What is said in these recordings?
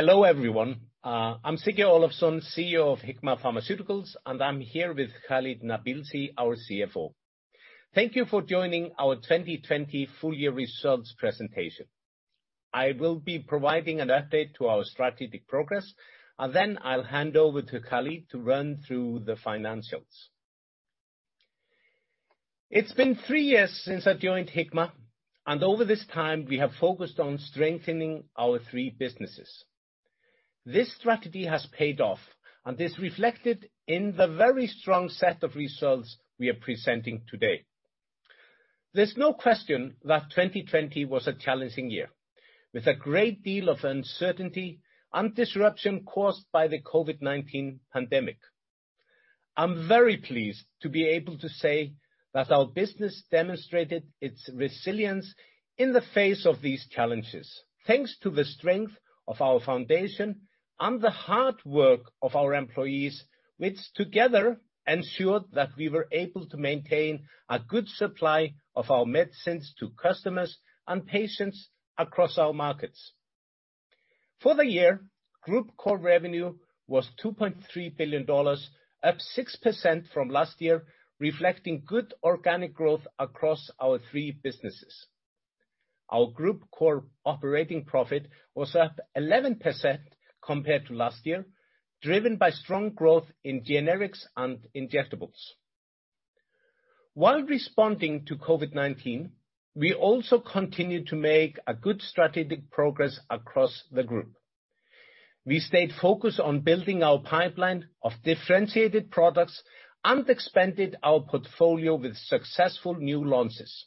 Hello, everyone. I'm Siggi Olafsson, CEO of Hikma Pharmaceuticals, and I'm here with Khalid Nabilsi, our CFO. Thank you for joining our 2020 full year results presentation. I will be providing an update to our strategic progress, and then I'll hand over to Khalid to run through the financials. It's been three years since I joined Hikma, and over this time, we have focused on strengthening our three businesses. This strategy has paid off, and is reflected in the very strong set of results we are presenting today. There's no question that 2020 was a challenging year, with a great deal of uncertainty and disruption caused by the COVID-19 pandemic. I'm very pleased to be able to say that our business demonstrated its resilience in the face of these challenges, thanks to the strength of our foundation and the hard work of our employees, which together ensured that we were able to maintain a good supply of our medicines to customers and patients across our markets. For the year, group core revenue was $2.3 billion, up 6% from last year, reflecting good organic growth across our three businesses. Our group core operating profit was up 11% compared to last year, driven by strong growth in generics and injectables. While responding to COVID-19, we also continued to make a good strategic progress across the group. We stayed focused on building our pipeline of differentiated products and expanded our portfolio with successful new launches.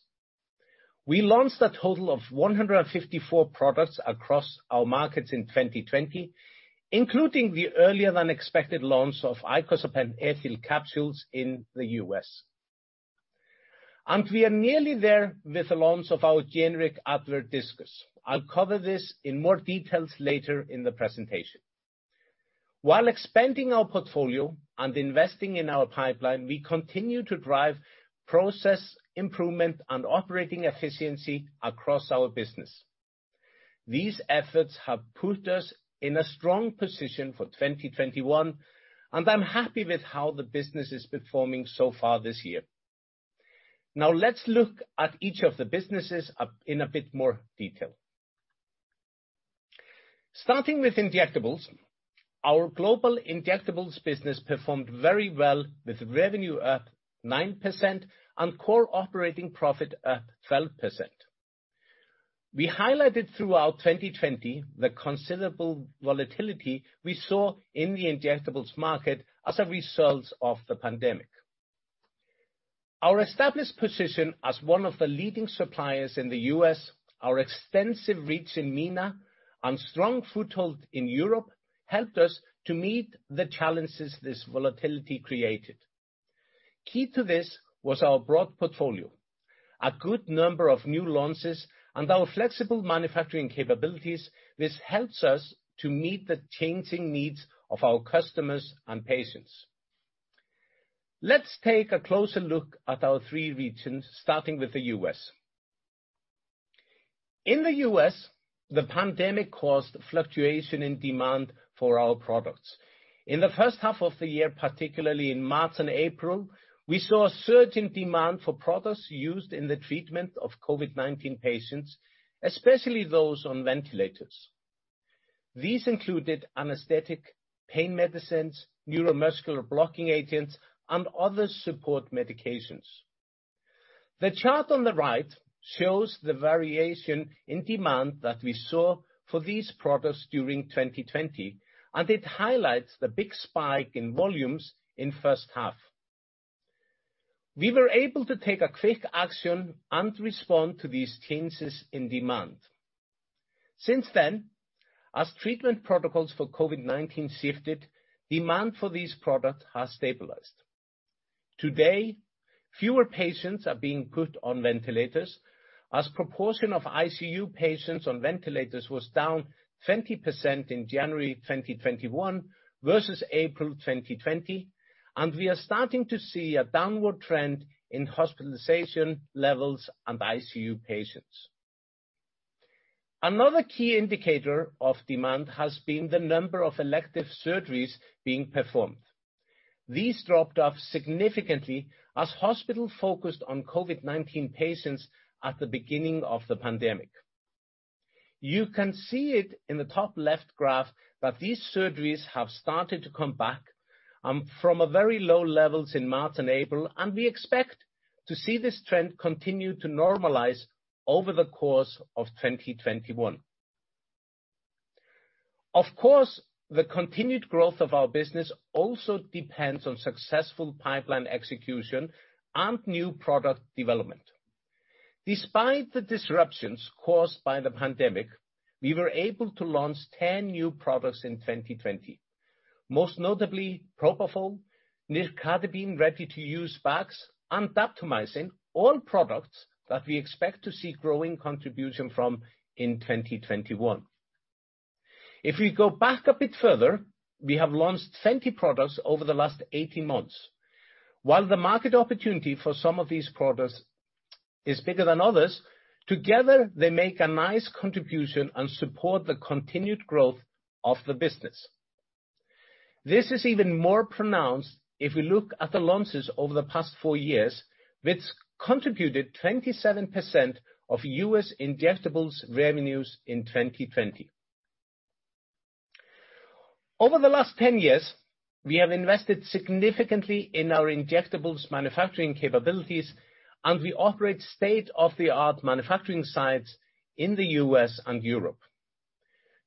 We launched a total of 154 products across our markets in 2020, including the earlier than expected launch of icosapent ethyl capsules in the US. We are nearly there with the launch of our generic Advair Diskus. I'll cover this in more details later in the presentation. While expanding our portfolio and investing in our pipeline, we continue to drive process improvement and operating efficiency across our business. These efforts have put us in a strong position for 2021, and I'm happy with how the business is performing so far this year. Now, let's look at each of the businesses in a bit more detail. Starting with injectables, our global injectables business performed very well, with revenue up 9% and core operating profit up 12%. We highlighted throughout 2020, the considerable volatility we saw in the injectables market as a result of the pandemic. Our established position as one of the leading suppliers in the U.S., our extensive reach in MENA, and strong foothold in Europe, helped us to meet the challenges this volatility created. Key to this was our broad portfolio, a good number of new launches, and our flexible manufacturing capabilities, which helps us to meet the changing needs of our customers and patients. Let's take a closer look at our three regions, starting with the U.S. In the U.S., the pandemic caused fluctuation in demand for our products. In the first half of the year, particularly in March and April, we saw a surge in demand for products used in the treatment of COVID-19 patients, especially those on ventilators. These included anesthetic, pain medicines, neuromuscular blocking agents, and other support medications. The chart on the right shows the variation in demand that we saw for these products during 2020, and it highlights the big spike in volumes in first half. We were able to take a quick action and respond to these changes in demand. Since then, as treatment protocols for COVID-19 shifted, demand for these products has stabilized. Today, fewer patients are being put on ventilators, as the proportion of ICU patients on ventilators was down 20% in January 2021 versus April 2020, and we are starting to see a downward trend in hospitalization levels and ICU patients. Another key indicator of demand has been the number of elective surgeries being performed. These dropped off significantly as hospitals focused on COVID-19 patients at the beginning of the pandemic. You can see it in the top left graph that these surgeries have started to come back from a very low levels in March and April, and we expect to see this trend continue to normalize over the course of 2021. Of course, the continued growth of our business also depends on successful pipeline execution and new product development. Despite the disruptions caused by the pandemic, we were able to launch 10 new products in 2020, most notably Propofol, Nicardipine ready-to-use bags, and Daptomycin, all products that we expect to see growing contribution from in 2021. If we go back a bit further, we have launched 20 products over the last 18 months. While the market opportunity for some of these products is bigger than others, together, they make a nice contribution and support the continued growth of the business. This is even more pronounced if we look at the launches over the past four years, which contributed 27% of U.S. injectables revenues in 2020. Over the last 10 years, we have invested significantly in our injectables manufacturing capabilities, and we operate state-of-the-art manufacturing sites in the U.S. and Europe.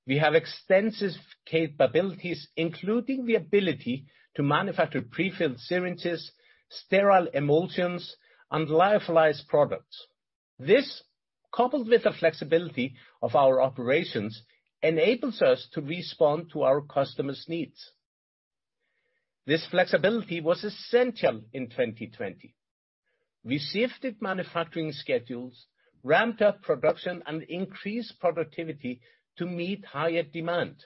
We have extensive capabilities, including the ability to manufacture prefilled syringes, sterile emulsions, and lyophilized products. This, coupled with the flexibility of our operations, enables us to respond to our customers' needs. This flexibility was essential in 2020. We shifted manufacturing schedules, ramped up production, and increased productivity to meet higher demand.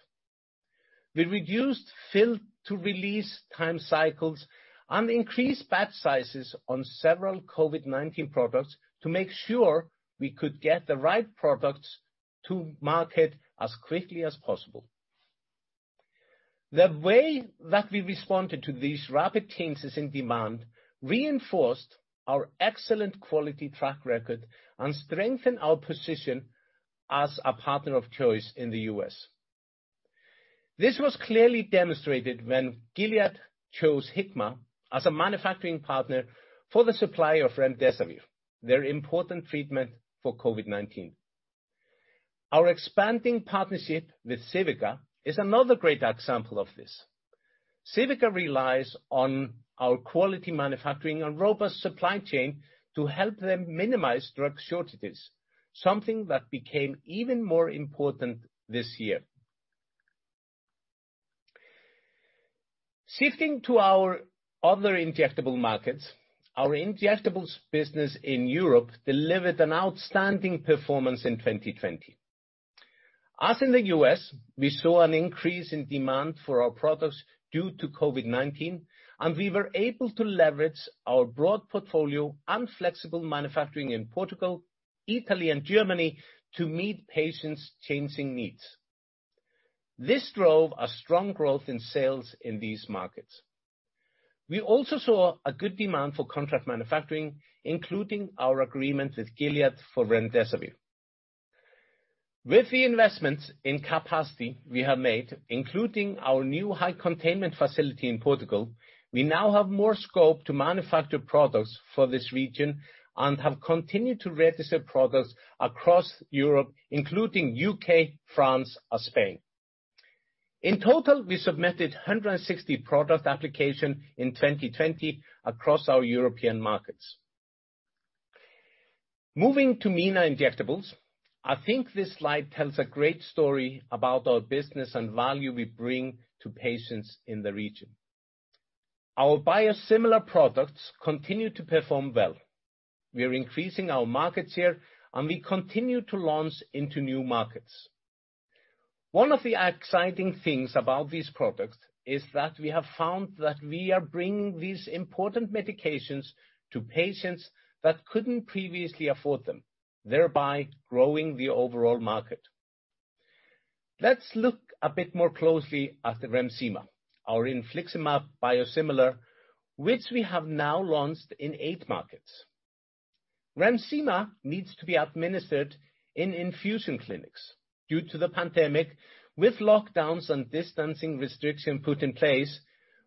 We reduced fill to release time cycles and increased batch sizes on several COVID-19 products to make sure we could get the right products to market as quickly as possible. The way that we responded to these rapid changes in demand reinforced our excellent quality track record and strengthened our position as a partner of choice in the U.S. This was clearly demonstrated when Gilead chose Hikma as a manufacturing partner for the supply of remdesivir, their important treatment for COVID-19. Our expanding partnership with Civica is another great example of this. Civica relies on our quality manufacturing and robust supply chain to help them minimize drug shortages, something that became even more important this year. Shifting to our other injectable markets, our injectables business in Europe delivered an outstanding performance in 2020. As in the U.S., we saw an increase in demand for our products due to COVID-19, and we were able to leverage our broad portfolio and flexible manufacturing in Portugal, Italy, and Germany to meet patients' changing needs. This drove a strong growth in sales in these markets. We also saw a good demand for contract manufacturing, including our agreement with Gilead for remdesivir. With the investments in capacity we have made, including our new high containment facility in Portugal, we now have more scope to manufacture products for this region and have continued to register products across Europe, including UK, France, and Spain. In total, we submitted 160 product applications in 2020 across our European markets. Moving to MENA Injectables, I think this slide tells a great story about our business and value we bring to patients in the region. Our biosimilar products continue to perform well. We are increasing our market share, and we continue to launch into new markets. One of the exciting things about these products is that we have found that we are bringing these important medications to patients that couldn't previously afford them, thereby growing the overall market. Let's look a bit more closely at the Remsima, our infliximab biosimilar, which we have now launched in eight markets. Remsima needs to be administered in infusion clinics. Due to the pandemic, with lockdowns and distancing restrictions put in place,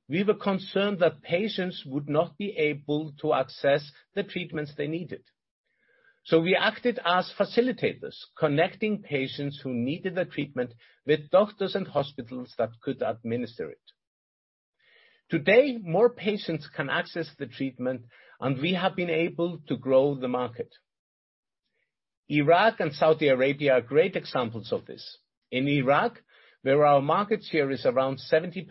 we were concerned that patients would not be able to access the treatments they needed, so we acted as facilitators, connecting patients who needed the treatment with doctors and hospitals that could administer it. Today, more patients can access the treatment, and we have been able to grow the market. Iraq and Saudi Arabia are great examples of this. In Iraq, where our market share is around 70%,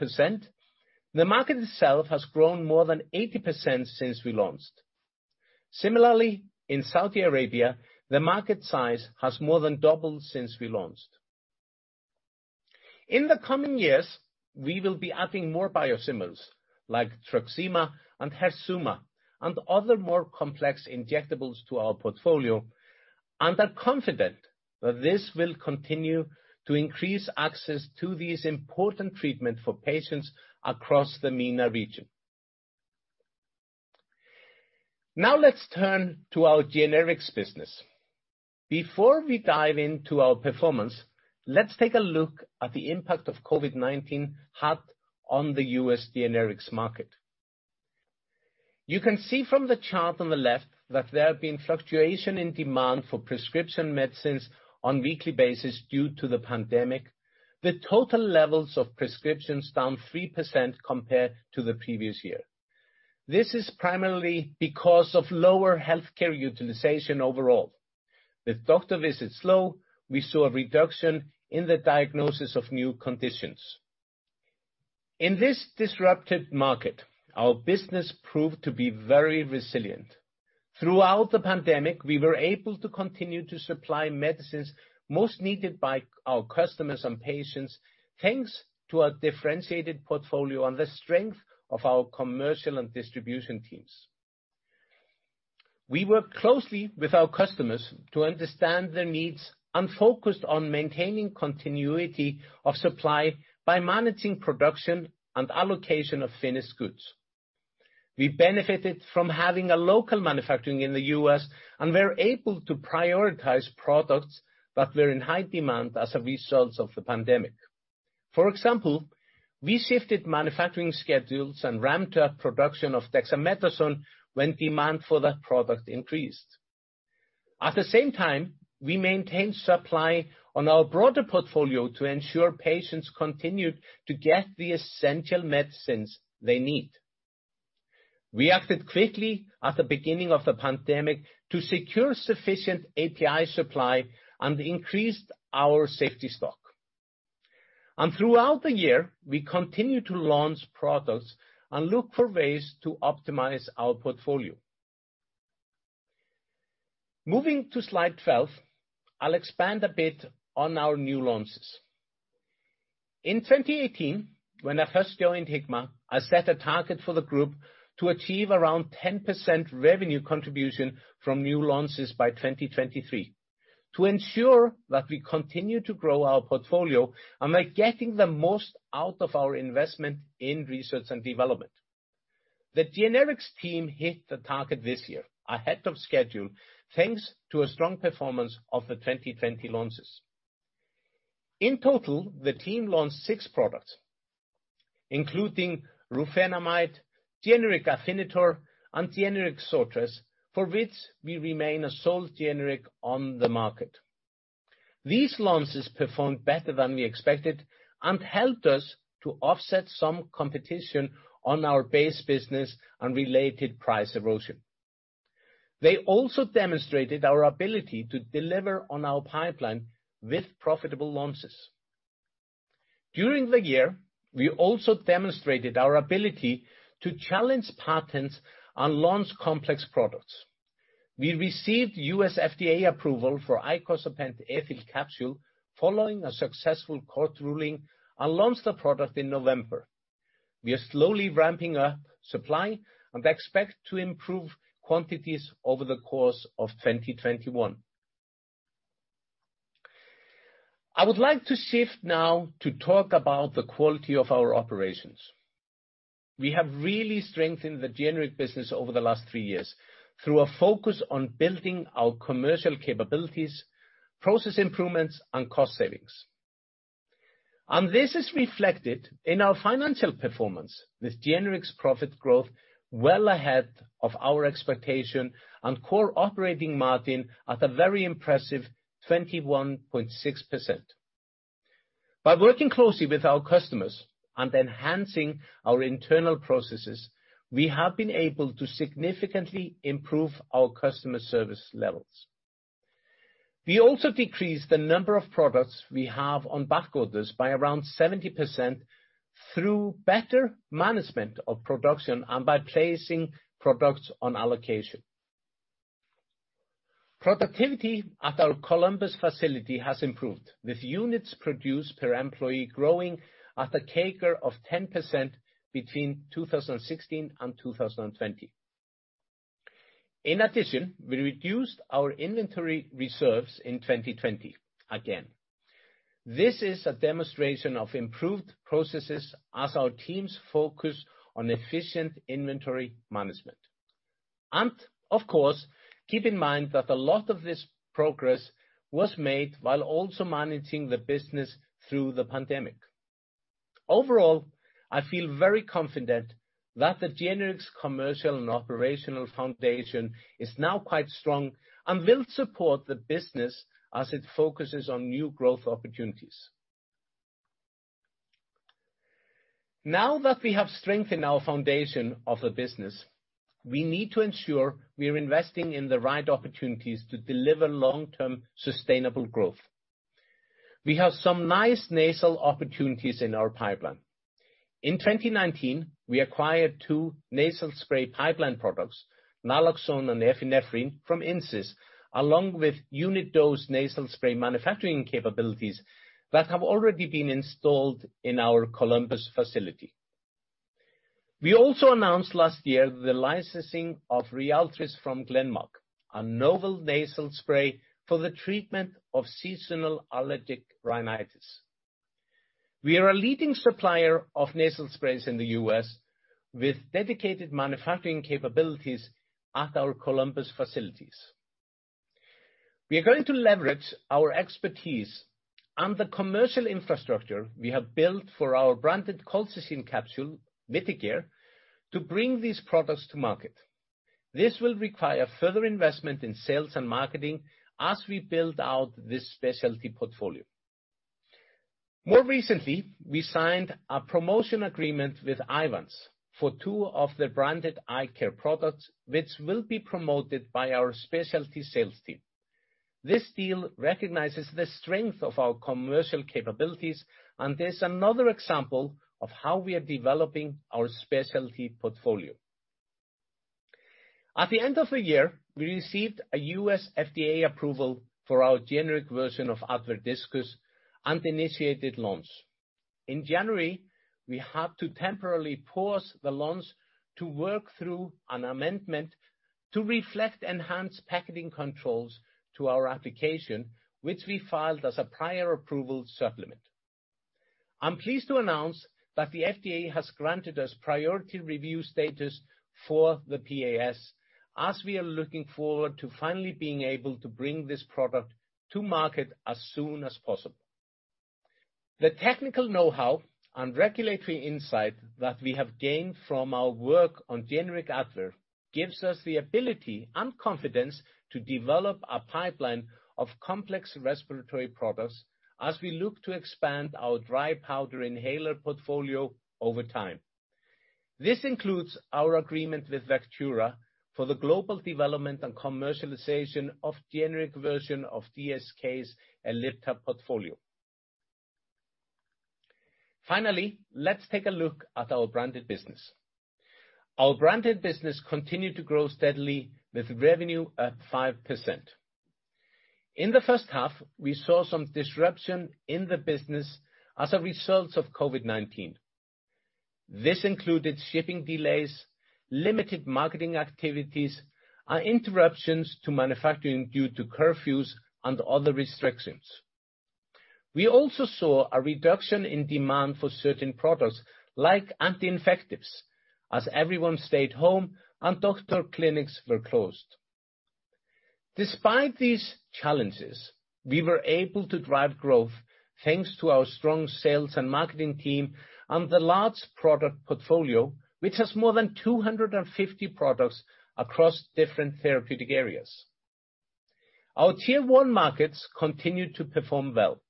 the market itself has grown more than 80% since we launched. Similarly, in Saudi Arabia, the market size has more than doubled since we launched. In the coming years, we will be adding more biosimilars, like Truxima and Herzuma, and other more complex injectables to our portfolio, and are confident that this will continue to increase access to these important treatment for patients across the MENA region. Now, let's turn to our generics business. Before we dive into our performance, let's take a look at the impact of COVID-19 had on the U.S. generics market. You can see from the chart on the left that there have been fluctuation in demand for prescription medicines on weekly basis due to the pandemic, with total levels of prescriptions down 3% compared to the previous year. This is primarily because of lower healthcare utilization overall. With doctor visits low, we saw a reduction in the diagnosis of new conditions. In this disrupted market, our business proved to be very resilient. Throughout the pandemic, we were able to continue to supply medicines most needed by our customers and patients, thanks to our differentiated portfolio and the strength of our commercial and distribution teams... We work closely with our customers to understand their needs and focused on maintaining continuity of supply by managing production and allocation of finished goods. We benefited from having a local manufacturing in the U.S., and we're able to prioritize products that were in high demand as a result of the pandemic. For example, we shifted manufacturing schedules and ramped up production of dexamethasone when demand for that product increased. At the same time, we maintained supply on our broader portfolio to ensure patients continued to get the essential medicines they need. We acted quickly at the beginning of the pandemic to secure sufficient API supply and increased our safety stock. Throughout the year, we continued to launch products and look for ways to optimize our portfolio. Moving to slide 12, I'll expand a bit on our new launches. In 2018, when I first joined Hikma, I set a target for the group to achieve around 10% revenue contribution from new launches by 2023, to ensure that we continue to grow our portfolio and by getting the most out of our investment in research and development. The generics team hit the target this year, ahead of schedule, thanks to a strong performance of the 2020 launches. In total, the team launched six products, including rufinamide, generic Afinitor, and generic Zortress, for which we remain a sole generic on the market. These launches performed better than we expected and helped us to offset some competition on our base business and related price erosion. They also demonstrated our ability to deliver on our pipeline with profitable launches. During the year, we also demonstrated our ability to challenge patents and launch complex products. We received U.S. FDA approval for icosapent ethyl capsule, following a successful court ruling, and launched the product in November. We are slowly ramping up supply and expect to improve quantities over the course of 2021. I would like to shift now to talk about the quality of our operations. We have really strengthened the generic business over the last three years through a focus on building our commercial capabilities, process improvements, and cost savings. This is reflected in our financial performance, with generics profit growth well ahead of our expectation and core operating margin at a very impressive 21.6%. By working closely with our customers and enhancing our internal processes, we have been able to significantly improve our customer service levels. We also decreased the number of products we have on backorders by around 70% through better management of production and by placing products on allocation. Productivity at our Columbus facility has improved, with units produced per employee growing at a CAGR of 10% between 2016 and 2020. In addition, we reduced our inventory reserves in 2020. Again, this is a demonstration of improved processes as our teams focus on efficient inventory management. Of course, keep in mind that a lot of this progress was made while also managing the business through the pandemic. Overall, I feel very confident that the generics commercial and operational foundation is now quite strong and will support the business as it focuses on new growth opportunities. Now that we have strengthened our foundation of the business, we need to ensure we are investing in the right opportunities to deliver long-term, sustainable growth. We have some nice nasal opportunities in our pipeline. In 2019, we acquired two nasal spray pipeline products, naloxone and epinephrine, from Insys, along with unit dose nasal spray manufacturing capabilities that have already been installed in our Columbus facility. We also announced last year the licensing of Ryaltris from Glenmark, a novel nasal spray for the treatment of seasonal allergic rhinitis. We are a leading supplier of nasal sprays in the U.S. with dedicated manufacturing capabilities at our Columbus facilities. We are going to leverage our expertise and the commercial infrastructure we have built for our branded colchicine capsule, Mitigare, to bring these products to market. This will require further investment in sales and marketing as we build out this specialty portfolio. More recently, we signed a promotion agreement with Eyevance for two of the branded eye care products, which will be promoted by our specialty sales team. This deal recognizes the strength of our commercial capabilities, and is another example of how we are developing our specialty portfolio. At the end of the year, we received a U.S. FDA approval for our generic version of Advair Diskus and initiated launch. In January, we had to temporarily pause the launch to work through an amendment to reflect enhanced packaging controls to our application, which we filed as a prior approval supplement. I'm pleased to announce that the FDA has granted us priority review status for the PAS, as we are looking forward to finally being able to bring this product to market as soon as possible. The technical know-how and regulatory insight that we have gained from our work on generic Advair gives us the ability and confidence to develop a pipeline of complex respiratory products as we look to expand our dry powder inhaler portfolio over time. This includes our agreement with Vectura for the global development and commercialization of generic version of GSK's Ellipta portfolio. Finally, let's take a look at our branded business. Our branded business continued to grow steadily, with revenue at 5%. In the first half, we saw some disruption in the business as a result of COVID-19. This included shipping delays, limited marketing activities, and interruptions to manufacturing due to curfews and other restrictions. We also saw a reduction in demand for certain products, like anti-infectives, as everyone stayed home and doctor clinics were closed. Despite these challenges, we were able to drive growth, thanks to our strong sales and marketing team and the large product portfolio, which has more than 250 products across different therapeutic areas. Our Tier one markets continued to perform well.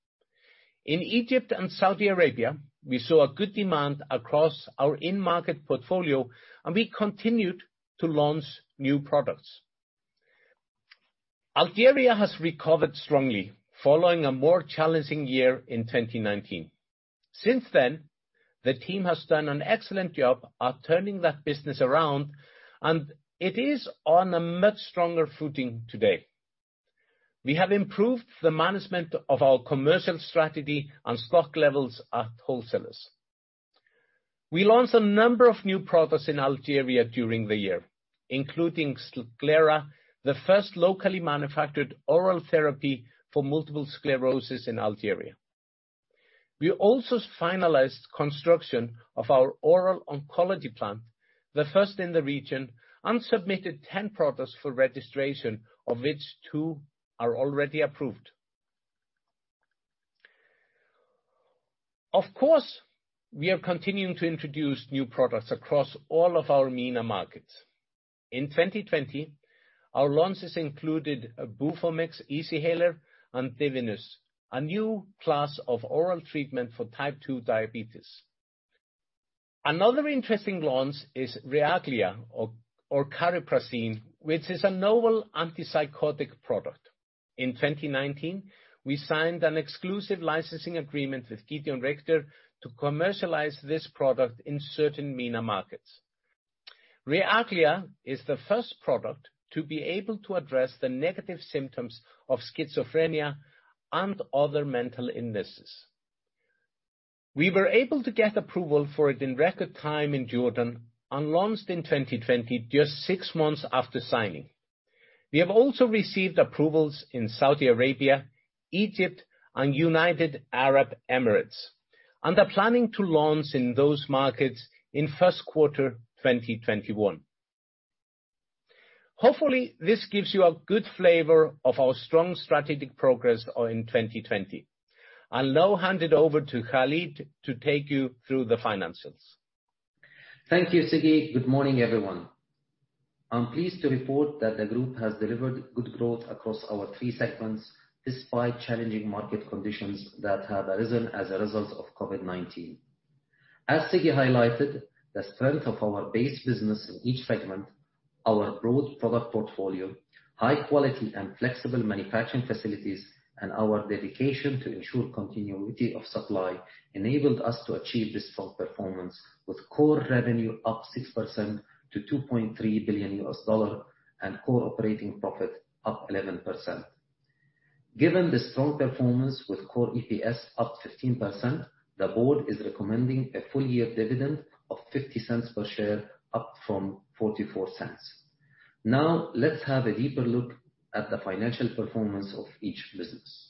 In Egypt and Saudi Arabia, we saw a good demand across our in-market portfolio, and we continued to launch new products. Algeria has recovered strongly, following a more challenging year in 2019. Since then, the team has done an excellent job at turning that business around, and it is on a much stronger footing today. We have improved the management of our commercial strategy, and stock levels at wholesalers. We launched a number of new products in Algeria during the year, including Skilara, the first locally manufactured oral therapy for multiple sclerosis in Algeria. We also finalized construction of our oral oncology plant, the first in the region, and submitted 10 products for registration, of which two are already approved. Of course, we are continuing to introduce new products across all of our MENA markets. In 2020, our launches included Bufomix Easyhaler and Tetanus, a new class of oral treatment for type 2 diabetes. Another interesting launch is Reagila or cariprazine, which is a novel antipsychotic product. In 2019, we signed an exclusive licensing agreement with Gedeon Richter to commercialize this product in certain MENA markets. Reagila is the first product to be able to address the negative symptoms of schizophrenia and other mental illnesses. We were able to get approval for it in record time in Jordan and launched in 2020, just six months after signing. We have also received approvals in Saudi Arabia, Egypt, and United Arab Emirates, and are planning to launch in those markets in first quarter 2021. Hopefully, this gives you a good flavor of our strong strategic progress in 2020. I'll now hand it over to Khalid to take you through the financials. Thank you, Siggi. Good morning, everyone. I'm pleased to report that the group has delivered good growth across our three segments, despite challenging market conditions that have arisen as a result of COVID-19. As Siggi highlighted, the strength of our base business in each segment, our broad product portfolio, high quality and flexible manufacturing facilities, and our dedication to ensure continuity of supply, enabled us to achieve this strong performance, with core revenue up 6% to $2.3 billion, and core operating profit up 11%. Given the strong performance with core EPS up 15%, the board is recommending a full year of dividend of $0.50 per share, up from $0.44. Now, let's have a deeper look at the financial performance of each business.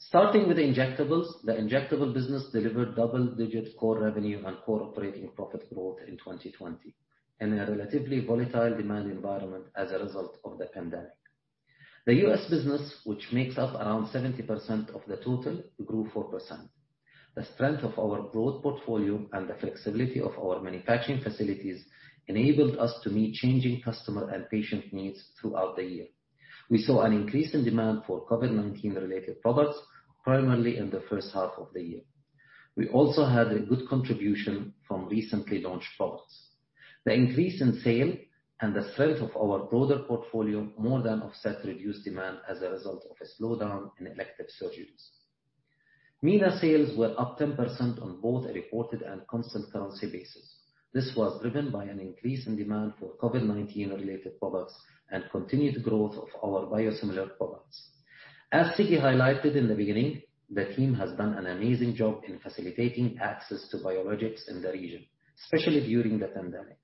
Starting with the injectables, the injectable business delivered double-digit core revenue and core operating profit growth in 2020, in a relatively volatile demand environment as a result of the pandemic. The U.S. business, which makes up around 70% of the total, grew 4%. The strength of our growth portfolio and the flexibility of our manufacturing facilities enabled us to meet changing customer and patient needs throughout the year. We saw an increase in demand for COVID-19 related products, primarily in the first half of the year. We also had a good contribution from recently launched products. The increase in sale and the strength of our broader portfolio more than offset reduced demand as a result of a slowdown in elective surgeries. MENA sales were up 10% on both a reported and constant currency basis... This was driven by an increase in demand for COVID-19 related products and continued growth of our biosimilar products. As Siggi highlighted in the beginning, the team has done an amazing job in facilitating access to biologics in the region, especially during the pandemic.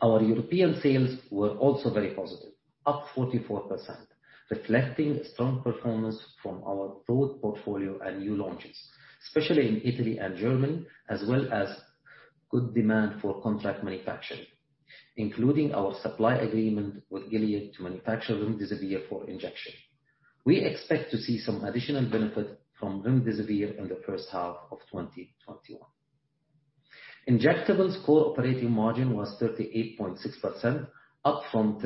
Our European sales were also very positive, up 44%, reflecting a strong performance from our broad portfolio and new launches, especially in Italy and Germany, as well as good demand for contract manufacturing, including our supply agreement with Gilead to manufacture remdesivir for injection. We expect to see some additional benefit from remdesivir in the first half of 2021. Injectables' core operating margin was 38.6%, up from 38%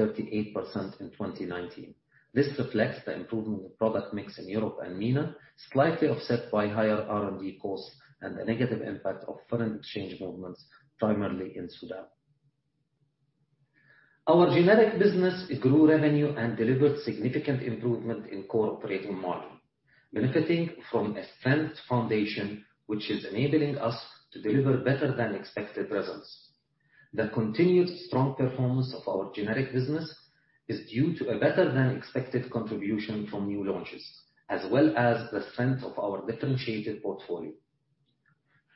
in 2019. This reflects the improvement in the product mix in Europe and MENA, slightly offset by higher R&D costs and the negative impact of foreign exchange movements, primarily in Sudan. Our generic business grew revenue and delivered significant improvement in core operating margin, benefiting from a strong foundation, which is enabling us to deliver better than expected results. The continued strong performance of our generic business is due to a better than expected contribution from new launches, as well as the strength of our differentiated portfolio.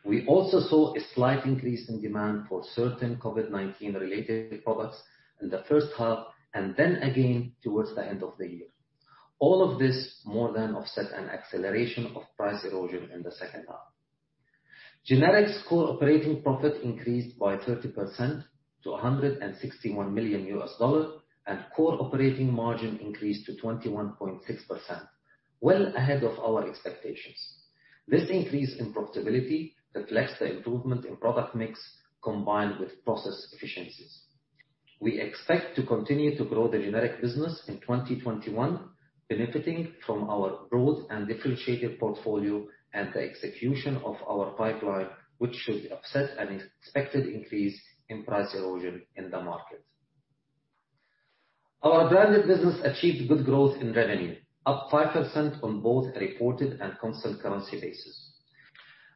We also saw a slight increase in demand for certain COVID-19 related products in the first half, and then again, towards the end of the year. All of this more than offset an acceleration of price erosion in the second half. Generics' core operating profit increased by 30% to $161 million, and core operating margin increased to 21.6%, well ahead of our expectations. This increase in profitability reflects the improvement in product mix, combined with process efficiencies. We expect to continue to grow the generic business in 2021, benefiting from our broad and differentiated portfolio and the execution of our pipeline, which should offset an expected increase in price erosion in the market. Our branded business achieved good growth in revenue, up 5% on both reported and constant currency basis.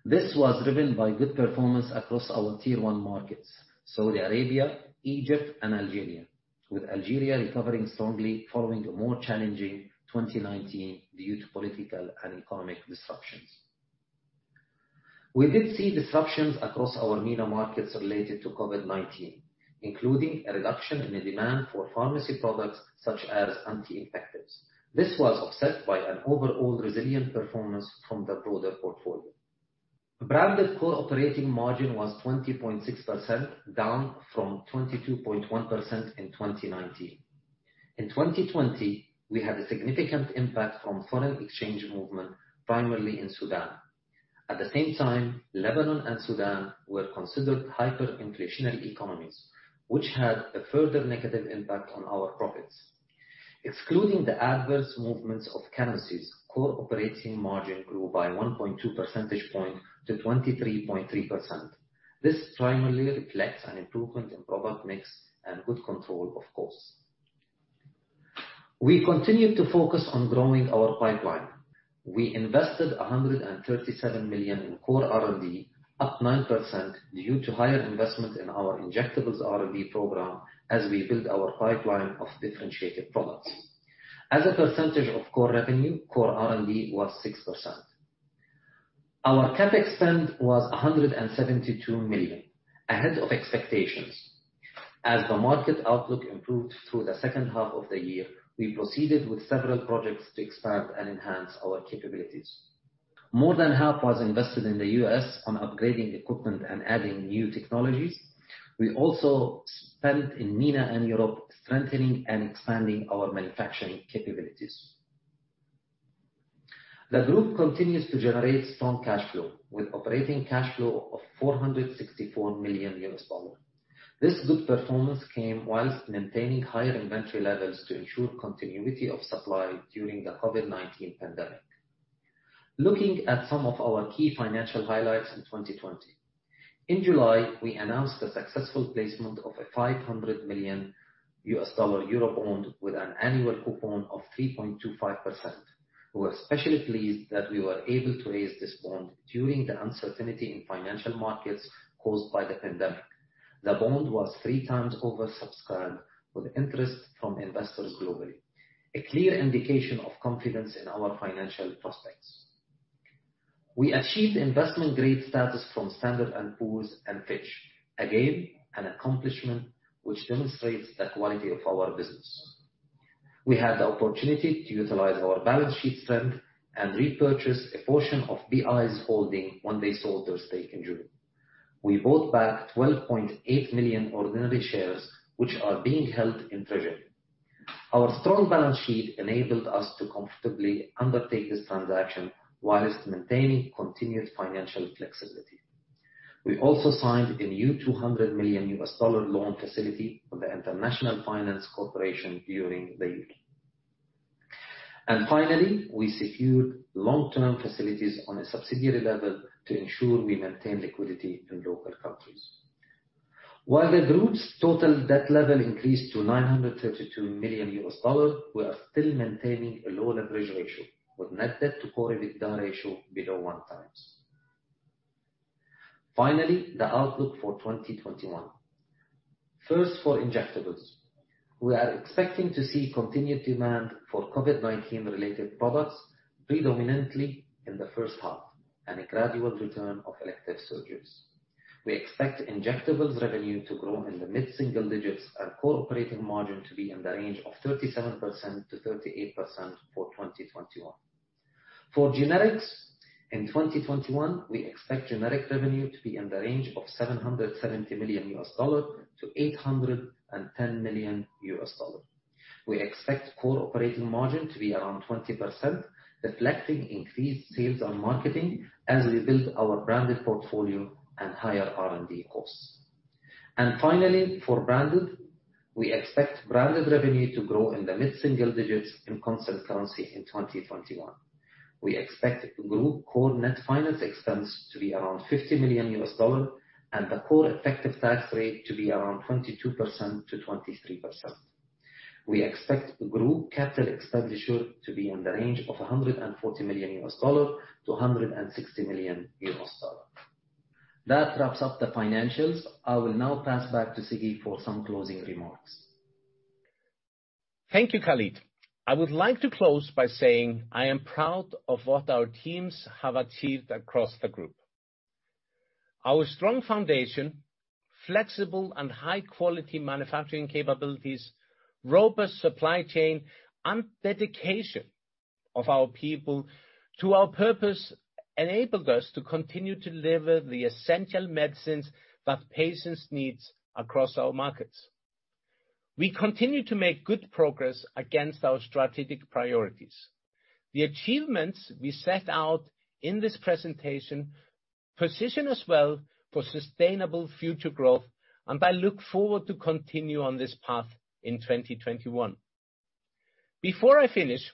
This was driven by good performance across our tier one markets, Saudi Arabia, Egypt, and Algeria, with Algeria recovering strongly following a more challenging 2019 due to political and economic disruptions. We did see disruptions across our MENA markets related to COVID-19, including a reduction in the demand for pharmacy products such as anti-infectives. This was offset by an overall resilient performance from the broader portfolio. Branded core operating margin was 20.6%, down from 22.1% in 2019. In 2020, we had a significant impact from foreign exchange movement, primarily in Sudan. At the same time, Lebanon and Sudan were considered hyperinflationary economies, which had a further negative impact on our profits. Excluding the adverse movements of currencies, core operating margin grew by 1.2 percentage points to 23.3%. This primarily reflects an improvement in product mix and good control, of course. We continue to focus on growing our pipeline. We invested $137 million in core R&D, up 9%, due to higher investment in our injectables R&D program as we build our pipeline of differentiated products. As a percentage of core revenue, core R&D was 6%. Our CapEx spend was $172 million, ahead of expectations. As the market outlook improved through the second half of the year, we proceeded with several projects to expand and enhance our capabilities. More than half was invested in the U.S. on upgrading equipment and adding new technologies. We also spent in MENA and Europe, strengthening and expanding our manufacturing capabilities. The group continues to generate strong cash flow, with operating cash flow of $464 million. This good performance came while maintaining higher inventory levels to ensure continuity of supply during the COVID-19 pandemic. Looking at some of our key financial highlights in 2020. In July, we announced the successful placement of a $500 million euro bond, with an annual coupon of 3.25%. We're especially pleased that we were able to raise this bond during the uncertainty in financial markets caused by the pandemic. The bond was 3x oversubscribed, with interest from investors globally, a clear indication of confidence in our financial prospects. We achieved investment grade status from Standard & Poor's and Fitch, again, an accomplishment which demonstrates the quality of our business. We had the opportunity to utilize our balance sheet strength and repurchase a portion of BI's holding when they sold their stake in June. We bought back 12.8 million ordinary shares, which are being held in treasury. Our strong balance sheet enabled us to comfortably undertake this transaction while maintaining continued financial flexibility. We also signed a new $200 million loan facility with the International Finance Corporation during the year. And finally, we secured long-term facilities on a subsidiary level to ensure we maintain liquidity in local countries. While the group's total debt level increased to $932 million, we are still maintaining a low leverage ratio, with net debt to core EBITDA ratio below 1x. Finally, the outlook for 2021. First, for injectables, we are expecting to see continued demand for COVID-19 related products, predominantly in the first half, and a gradual return of elective surgeries. We expect injectables revenue to grow in the mid-single digits and core operating margin to be in the range of 37%-38% for 2021. For generics, in 2021, we expect generic revenue to be in the range of $770 million to $810 million. We expect core operating margin to be around 20%, reflecting increased sales on marketing as we build our branded portfolio and higher R&D costs. Finally, for branded, we expect branded revenue to grow in the mid-single digits in constant currency in 2021. We expect group core net finance expense to be around $50 million and the core effective tax rate to be around 22%-23%. We expect group capital expenditure to be in the range of $140 million-$160 million. That wraps up the financials. I will now pass back to Siggi for some closing remarks. Thank you, Khalid. I would like to close by saying I am proud of what our teams have achieved across the group. Our strong foundation, flexible and high-quality manufacturing capabilities, robust supply chain, and dedication of our people to our purpose enabled us to continue to deliver the essential medicines that patients need across our markets. We continue to make good progress against our strategic priorities. The achievements we set out in this presentation position us well for sustainable future growth, and I look forward to continue on this path in 2021. Before I finish,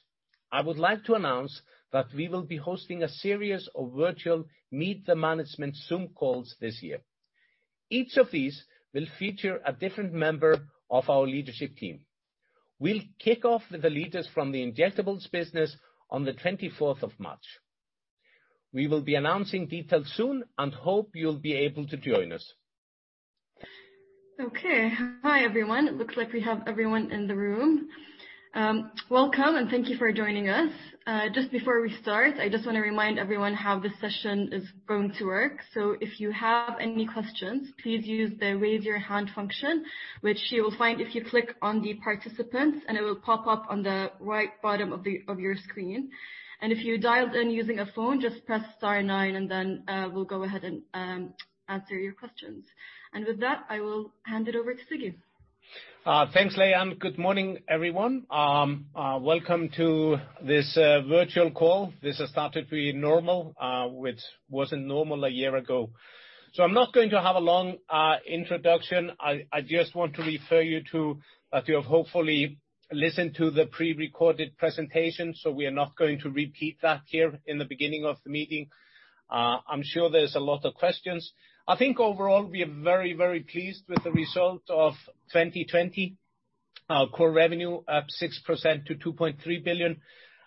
I would like to announce that we will be hosting a series of virtual Meet the Management Zoom calls this year. Each of these will feature a different member of our leadership team. We'll kick off with the leaders from the injectables business on the twenty-fourth of March. We will be announcing details soon and hope you'll be able to join us. Okay. Hi, everyone. It looks like we have everyone in the room. Welcome, and thank you for joining us. Just before we start, I just want to remind everyone how this session is going to work. So if you have any questions, please use the Raise Your Hand function, which you will find if you click on the participants, and it will pop up on the right bottom of your screen. And if you dialed in using a phone, just press star nine, and then we'll go ahead and answer your questions. And with that, I will hand it over to Siggi. Thanks, Layan. Good morning, everyone. Welcome to this virtual call. This has started to be normal, which wasn't normal a year ago. So I'm not going to have a long introduction. I just want to refer you to... That you have hopefully listened to the pre-recorded presentation, so we are not going to repeat that here in the beginning of the meeting. I'm sure there's a lot of questions. I think overall, we are very, very pleased with the result of 2020. Our core revenue up 6% to $2.3 billion,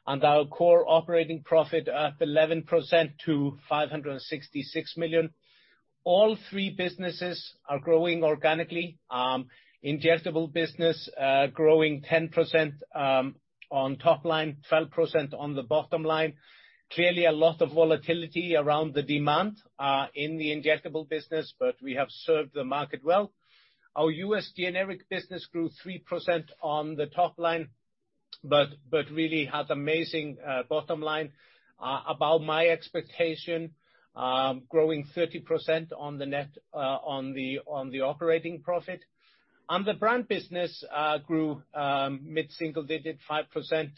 and our core operating profit up 11% to $566 million. All three businesses are growing organically. Injectable business growing 10% on top line, 12% on the bottom line. Clearly, a lot of volatility around the demand in the injectable business, but we have served the market well. Our US generic business grew 3% on the top line, but really had amazing bottom line above my expectation, growing 30% on the net on the operating profit. And the brand business grew mid-single digit, 5%.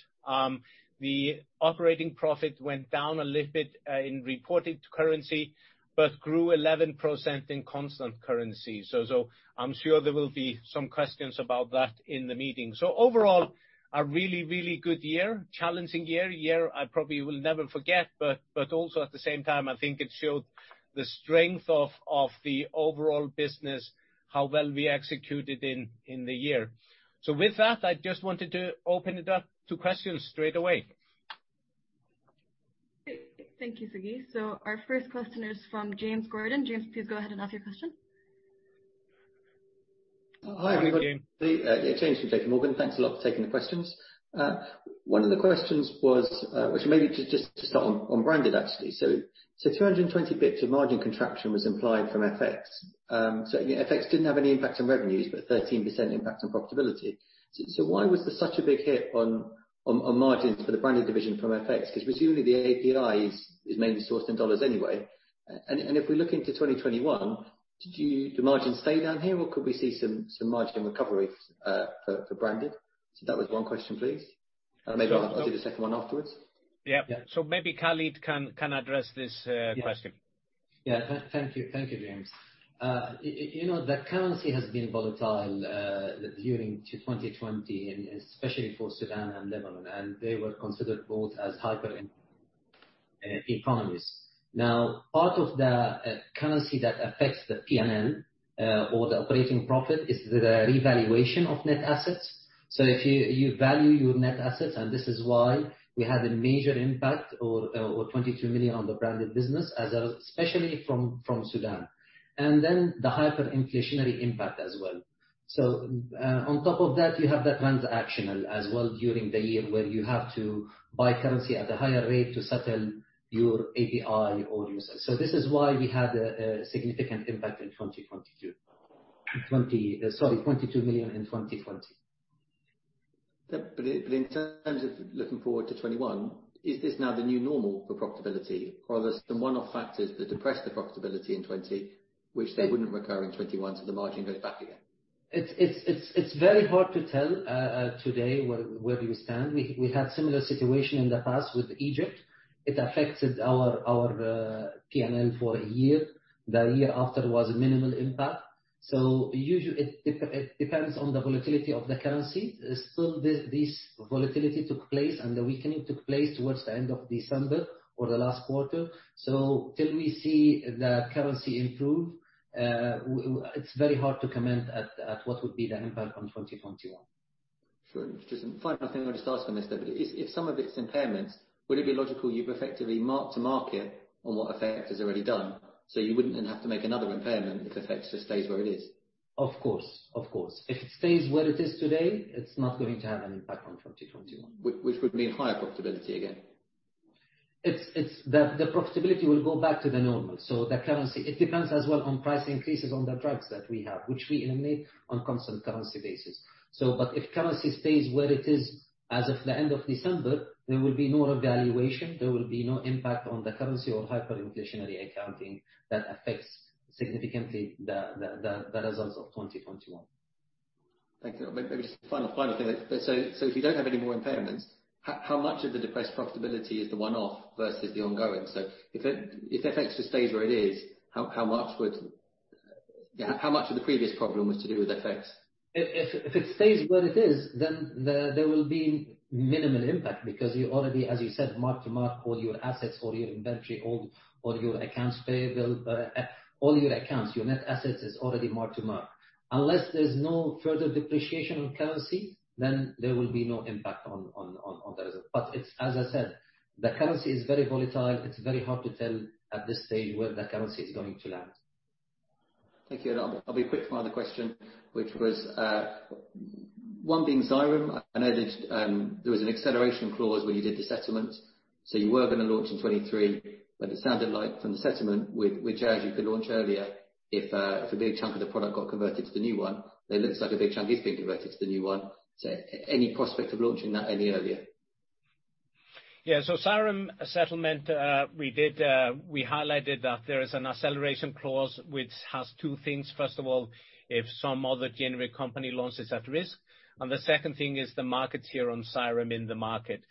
The operating profit went down a little bit in reported currency, but grew 11% in constant currency. So I'm sure there will be some questions about that in the meeting. So overall, a really, really good year, challenging year, a year I probably will never forget, but also at the same time, I think it showed the strength of the overall business, how well we executed in the year. With that, I just wanted to open it up to questions straight away. Thank you, Siggi. So our first question is from James Gordon. James, please go ahead and ask your question. Hi, everybody. James from JPMorgan. Thanks a lot for taking the questions. One of the questions was... Which maybe just, just to start on, on branded, actually. So, so 220 basis points of margin contraction was implied from FX. So FX didn't have any impact on revenues, but 13% impact on profitability. So, so why was there such a big hit on, on, on margins for the branded division from FX? Because presumably, the API is, is mainly sourced in dollars anyway. And, and if we look into 2021, do you. Do margins stay down here, or could we see some, some margin recovery, for, for branded? So that was one question, please. Maybe I'll do the second one afterwards. Yeah. So maybe Khalid can address this question. Yes. Yeah. Thank you. Thank you, James. You know, the currency has been volatile during 2020, and especially for Sudan and Lebanon, and they were considered both as hyperinflation- economies. Now, part of the currency that affects the PNL or the operating profit is the revaluation of net assets. So if you value your net assets, and this is why we had a major impact or $22 million on the branded business as a, especially from Sudan, and then the hyperinflationary impact as well. So on top of that, you have the transactional as well during the year, where you have to buy currency at a higher rate to settle your API or your sales. So this is why we had a significant impact in 2022. In 2020, sorry, $22 million in 2020. But in terms of looking forward to 2021, is this now the new normal for profitability? Or are there some one-off factors that depressed the profitability in 2020, which they wouldn't recur in 2021, so the margin goes back again? It's very hard to tell today where we stand. We had similar situation in the past with Egypt. It affected our PNL for a year. The year after was minimal impact. So usually it depends on the volatility of the currency. Still this volatility took place, and the weakening took place towards the end of December or the last quarter. So till we see the currency improve, it's very hard to comment at what would be the impact on 2021. Sure. Just final thing I'll just ask on this then. If some of it's impairments, would it be logical you've effectively mark-to-market on what effect is already done, so you wouldn't then have to make another impairment if FX just stays where it is? Of course, of course. If it stays where it is today, it's not going to have an impact on 2021. Which, which would mean higher profitability again? It's the profitability will go back to the normal. So the currency. It depends as well on price increases on the drugs that we have, which we eliminate on constant currency basis. So but if currency stays where it is as of the end of December, there will be no revaluation, there will be no impact on the currency or hyperinflationary accounting that affects significantly the results of 2021. Thank you. Maybe just a final thing. So if you don't have any more impairments, how much of the depressed profitability is the one-off versus the ongoing? So if FX just stays where it is, how much would .Yeah, how much of the previous problem was to do with FX? If it stays where it is, then there will be minimal impact, because you already, as you said, mark-to-market all your assets, all your inventory, all your accounts payable, all your accounts, your net assets is already mark-to-market. Unless there's no further depreciation on currency, then there will be no impact on the result. But it's, as I said, the currency is very volatile. It's very hard to tell at this stage where the currency is going to land. Thank you. I'll be quick with my other question, which was, one being Xyrem. I know that, there was an acceleration clause when you did the settlement, so you were gonna launch in 2023, but it sounded like from the settlement with, with Jazz, you could launch earlier if, if a big chunk of the product got converted to the new one. It looks like a big chunk is being converted to the new one. So any prospect of launching that any earlier? Yeah, so Xyrem settlement, we did, we highlighted that there is an acceleration clause which has two things. First of all, if some other generic company launches at risk, and the second thing is the market share on Xyrem in the market.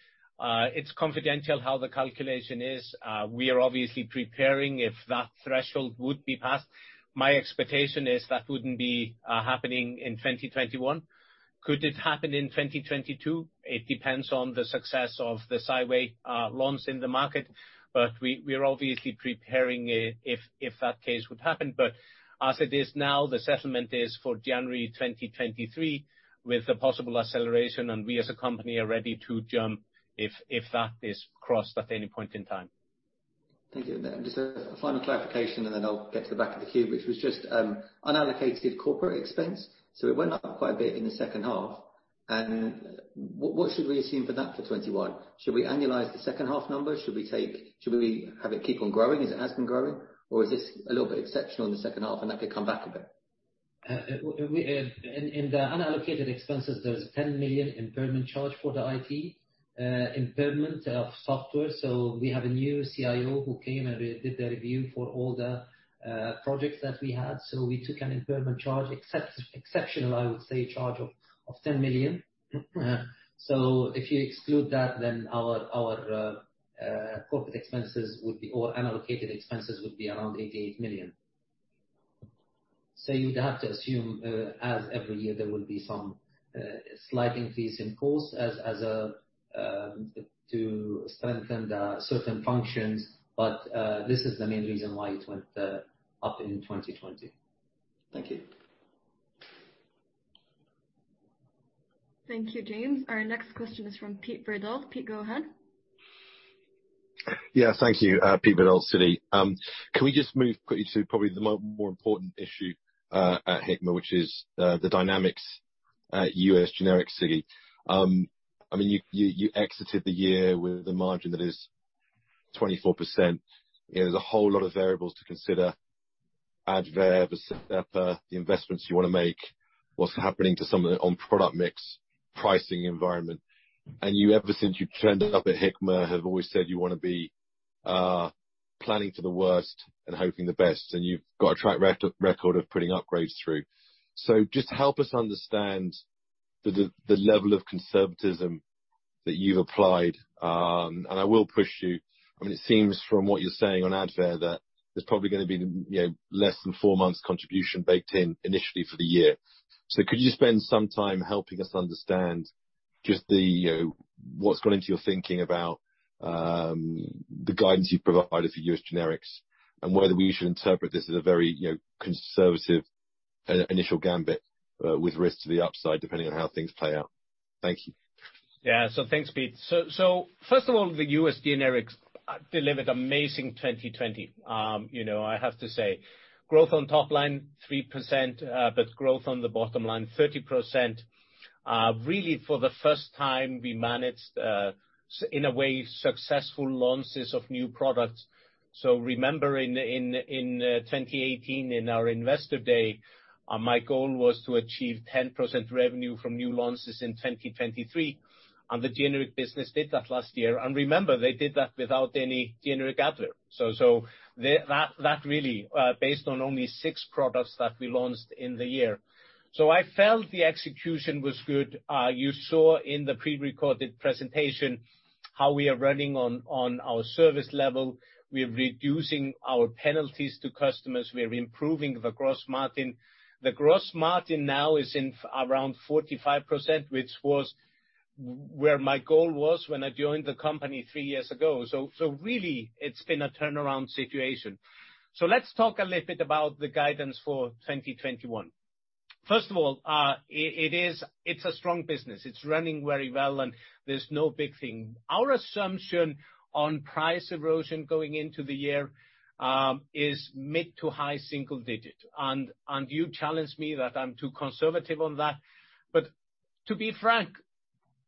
It's confidential how the calculation is. We are obviously preparing if that threshold would be passed. My expectation is that wouldn't be happening in 2021. Could it happen in 2022? It depends on the success of the Xywav launch in the market. But we, we are obviously preparing if, if that case would happen. But as it is now, the settlement is for January 2023, with a possible acceleration, and we as a company are ready to jump if, if that is crossed at any point in time. Thank you. Just a final clarification, and then I'll get to the back of the queue, which was just unallocated corporate expense. So it went up quite a bit in the second half, and what should we assume for that for 2021? Should we annualize the second half number? Should we take? Should we have it keep on growing as it has been growing? Or is this a little bit exceptional in the second half, and that could come back a bit? In the unallocated expenses, there's $10 million impairment charge for the IT, impairment of software. So we have a new CIO who came and did the review for all the projects that we had. So we took an impairment charge, exceptional, I would say, charge of ten million. So if you exclude that, then our corporate expenses would be, or unallocated expenses, would be around $88 million. So you'd have to assume, as every year, there will be some slight increase in costs as a to strengthen certain functions, but this is the main reason why it went up in 2020. Thank you. Thank you, James. Our next question is from Peter Verdult. Peter, go ahead. Yeah, thank you. Peter Verdult, Citi. Can we just move quickly to probably the more, more important issue at Hikma, which is the dynamics at US Generics. I mean, you exited the year with a margin that is 24%. You know, there's a whole lot of variables to consider, Advair, Vascepa, the investments you want to make, what's happening to some of the on product mix, pricing environment. And you, ever since you turned up at Hikma, have always said you want to be planning for the worst and hoping the best, and you've got a track record of putting upgrades through. So just help us understand the level of conservatism that you've applied. And I will push you. I mean, it seems from what you're saying on Advair, that there's probably gonna be, you know, less than four months contribution baked in initially for the year. So could you spend some time helping us understand? Just the, you know, what's gone into your thinking about the guidance you've provided for US Generics, and whether we should interpret this as a very, you know, conservative initial gambit, with risks to the upside, depending on how things play out? Thank you. Yeah, so thanks, Pete. So first of all, the US Generics delivered amazing 2020. You know, I have to say, growth on top line, 3%, but growth on the bottom line, 30%. Really, for the first time, we managed in a way successful launches of new products. So remember in 2018, in our investor day, my goal was to achieve 10% revenue from new launches in 2023, and the generic business did that last year. And remember, they did that without any generic Advair. So that really based on only six products that we launched in the year. So I felt the execution was good. You saw in the pre-recorded presentation how we are running on our service level. We are reducing our penalties to customers. We are improving the gross margin. The gross margin now is in around 45%, which was where my goal was when I joined the company three years ago. So really, it's been a turnaround situation. So let's talk a little bit about the guidance for 2021. First of all, it is—it's a strong business. It's running very well, and there's no big thing. Our assumption on price erosion going into the year is mid- to high-single-digit, and you challenged me that I'm too conservative on that. But to be frank,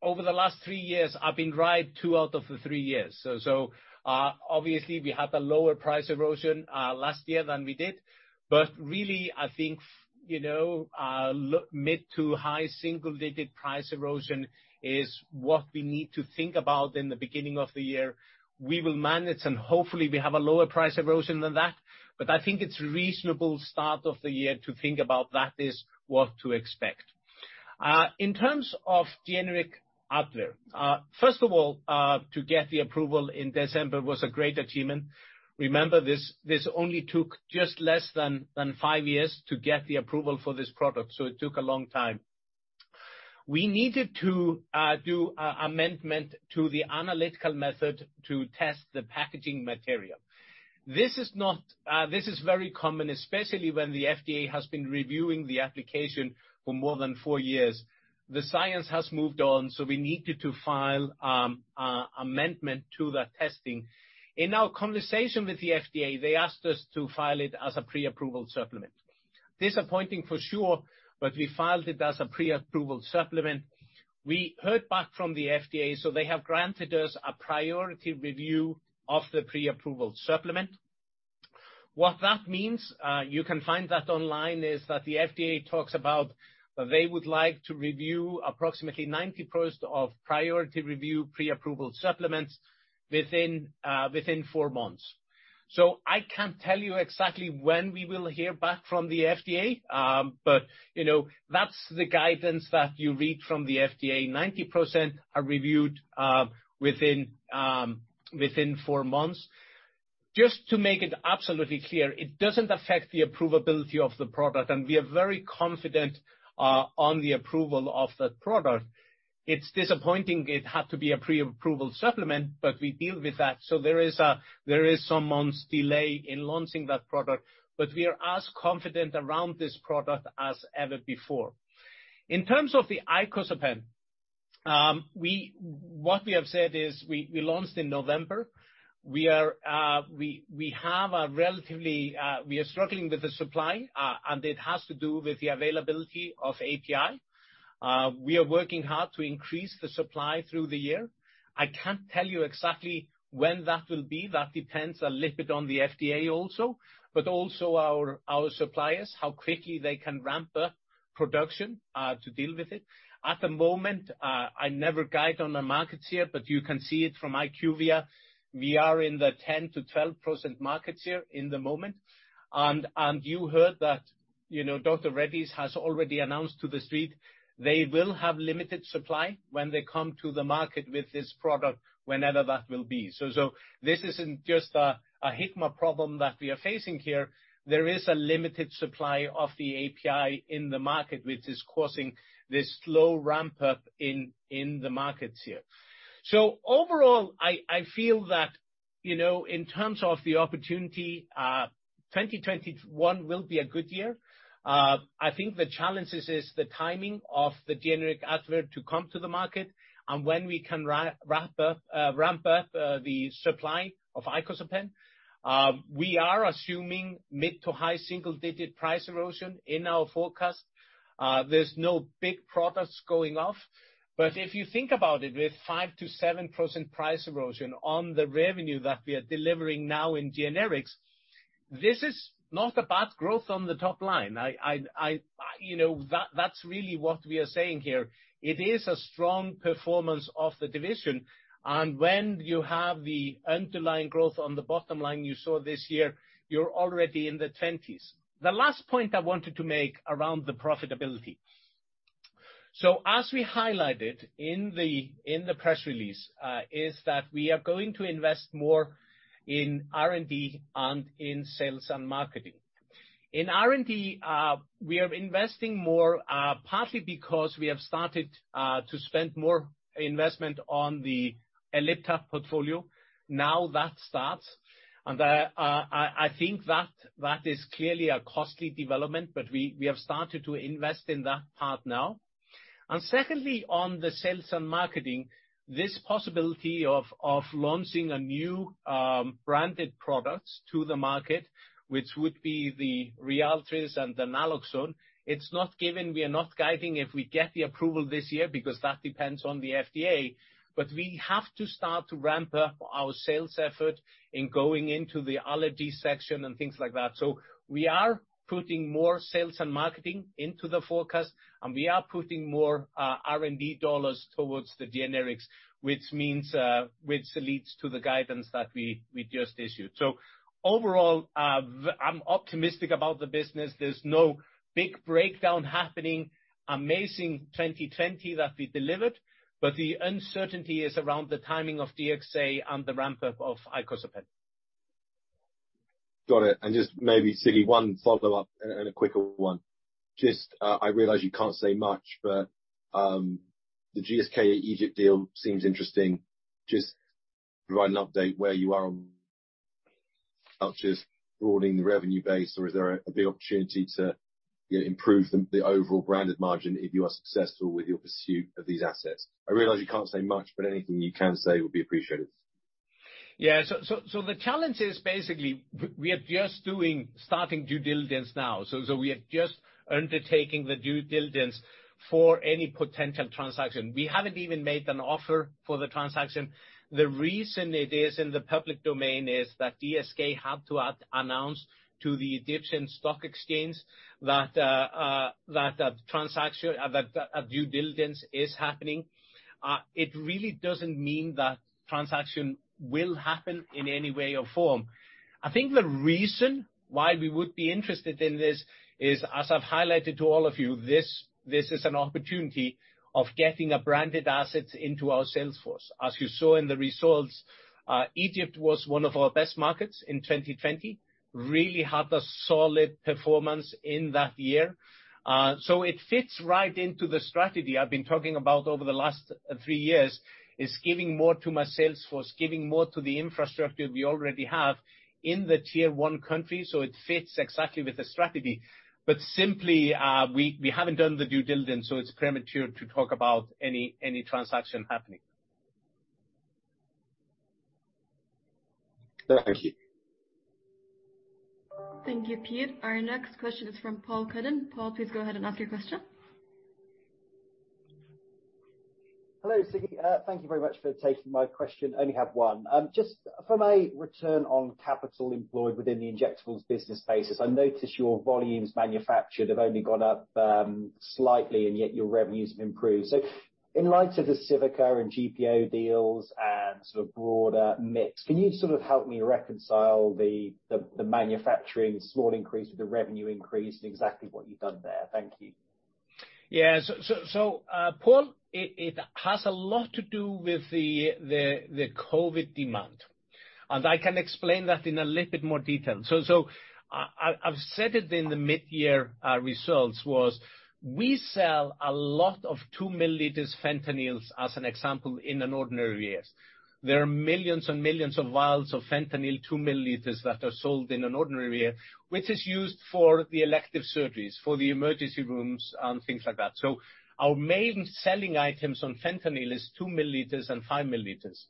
over the last three years, I've been right two out of the three years. So obviously, we had a lower price erosion last year than we did. But really, I think, you know, mid- to high-single-digit price erosion is what we need to think about in the beginning of the year. We will manage, and hopefully, we have a lower price erosion than that, but I think it's reasonable start of the year to think about that is what to expect. In terms of generic Advair, first of all, to get the approval in December was a great achievement. Remember, this, this only took just less than five years to get the approval for this product, so it took a long time. We needed to do a amendment to the analytical method to test the packaging material. This is not, this is very common, especially when the FDA has been reviewing the application for more than four years. The science has moved on, so we needed to file a amendment to that testing. In our conversation with the FDA, they asked us to file it as a prior approval supplement. Disappointing for sure, but we filed it as a prior approval supplement. We heard back from the FDA, so they have granted us a priority review of the prior approval supplement. What that means, you can find that online, is that the FDA talks about that they would like to review approximately 90% of priority review prior approval supplements within four months. So I can't tell you exactly when we will hear back from the FDA, but, you know, that's the guidance that you read from the FDA. 90% are reviewed within four months. Just to make it absolutely clear, it doesn't affect the approvability of the product, and we are very confident on the approval of that product. It's disappointing it had to be a Prior Approval Supplement, but we deal with that. So there is some months delay in launching that product, but we are as confident around this product as ever before. In terms of the icosapent, we, what we have said is we, we launched in November. We are, we, we have a relatively. We are struggling with the supply, and it has to do with the availability of API. We are working hard to increase the supply through the year. I can't tell you exactly when that will be. That depends a little bit on the FDA also, but also our, our suppliers, how quickly they can ramp up production to deal with it. At the moment, I never guide on the market share, but you can see it from IQVIA. We are in the 10%-12% market share at the moment. And you heard that, you know, Dr. Reddy's has already announced to the street they will have limited supply when they come to the market with this product, whenever that will be. So this isn't just a Hikma problem that we are facing here. There is a limited supply of the API in the market, which is causing this slow ramp-up in the market share. So overall, I feel that, you know, in terms of the opportunity, 2021 will be a good year. I think the challenges is the timing of the generic Advair to come to the market and when we can ramp up the supply of icosapent. We are assuming mid- to high-single-digit price erosion in our forecast. There's no big products going off. But if you think about it, with 5%-7% price erosion on the revenue that we are delivering now in generics, this is not a bad growth on the top line. You know, that, that's really what we are saying here. It is a strong performance of the division, and when you have the underlying growth on the bottom line, you saw this year, you're already in the 20s. The last point I wanted to make around the profitability. So as we highlighted in the press release, is that we are going to invest more in R&D and in sales and marketing. In R&D, we are investing more, partly because we have started to spend more investment on the Ellipta portfolio. Now that starts, and I think that is clearly a costly development, but we have started to invest in that part now. And secondly, on the sales and marketing, this possibility of launching a new branded products to the market, which would be the Ryaltris and the naloxone, it's not given—we are not guiding if we get the approval this year, because that depends on the FDA. But we have to start to ramp up our sales effort in going into the allergy section and things like that. So we are putting more sales and marketing into the forecast, and we are putting more R&D dollars towards the generics, which leads to the guidance that we just issued. So overall, I'm optimistic about the business. There's no big breakdown happening, amazing 2020 that we delivered, but the uncertainty is around the timing of DXA and the ramp up of icosapent. Got it, and just maybe, Siggi, one follow-up and, and a quicker one. Just, I realize you can't say much, but, the GSK Egypt deal seems interesting. Just provide an update where you are on... Not just broadening the revenue base, or is there a big opportunity to, you know, improve the, the overall branded margin if you are successful with your pursuit of these assets? I realize you can't say much, but anything you can say would be appreciated. Yeah, so the challenge is basically we are just starting due diligence now. So we are just undertaking the due diligence for any potential transaction. We haven't even made an offer for the transaction. The reason it is in the public domain is that GSK had to announce to the Egyptian Stock Exchange that a due diligence is happening. It really doesn't mean that transaction will happen in any way or form. I think the reason why we would be interested in this is, as I've highlighted to all of you, this is an opportunity of getting a branded asset into our sales force. As you saw in the results, Egypt was one of our best markets in 2020, really had a solid performance in that year. So it fits right into the strategy I've been talking about over the last three years, is giving more to my sales force, giving more to the infrastructure we already have in the tier one countries, so it fits exactly with the strategy. But simply, we haven't done the due diligence, so it's premature to talk about any transaction happening. Thank you. Thank you, Pete. Our next question is from Paul Cuddon. Paul, please go ahead and ask your question. Hello, Siggi. Thank you very much for taking my question. I only have one. Just from a return on capital employed within the injectables business basis, I notice your volumes manufactured have only gone up slightly, and yet your revenues have improved. So in light of the Civica and GPO deals and sort of broader mix, can you sort of help me reconcile the manufacturing, the small increase with the revenue increase and exactly what you've done there? Thank you. Yeah, Paul, it has a lot to do with the COVID demand, and I can explain that in a little bit more detail. So, I've said it in the mid-year results: we sell a lot of 2 milliliters fentanyl as an example, in an ordinary year. There are millions and millions of vials of fentanyl, 2 milliliters, that are sold in an ordinary year, which is used for the elective surgeries, for the emergency rooms, and things like that. So our main selling items on fentanyl is 2 milliliters and 5 milliliters.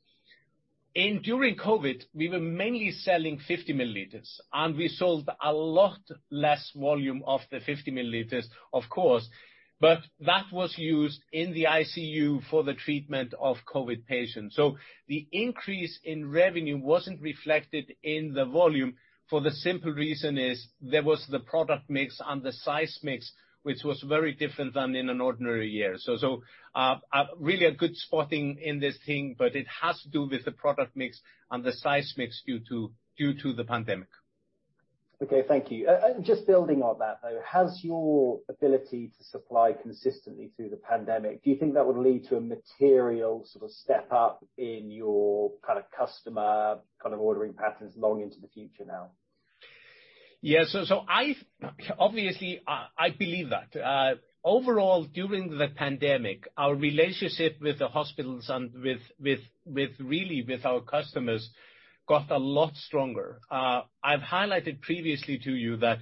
During COVID, we were mainly selling 50 milliliters, and we sold a lot less volume of the 50 milliliters, of course, but that was used in the ICU for the treatment of COVID patients. So the increase in revenue wasn't reflected in the volume for the simple reason is there was the product mix and the size mix, which was very different than in an ordinary year. So, really a good spotting in this thing, but it has to do with the product mix and the size mix due to the pandemic. Okay. Thank you. And just building on that, though, has your ability to supply consistently through the pandemic, do you think that would lead to a material sort of step up in your kind of customer, kind of ordering patterns long into the future now? Yeah, so I obviously believe that. Overall, during the pandemic, our relationship with the hospitals and with really with our customers got a lot stronger. I've highlighted previously to you that,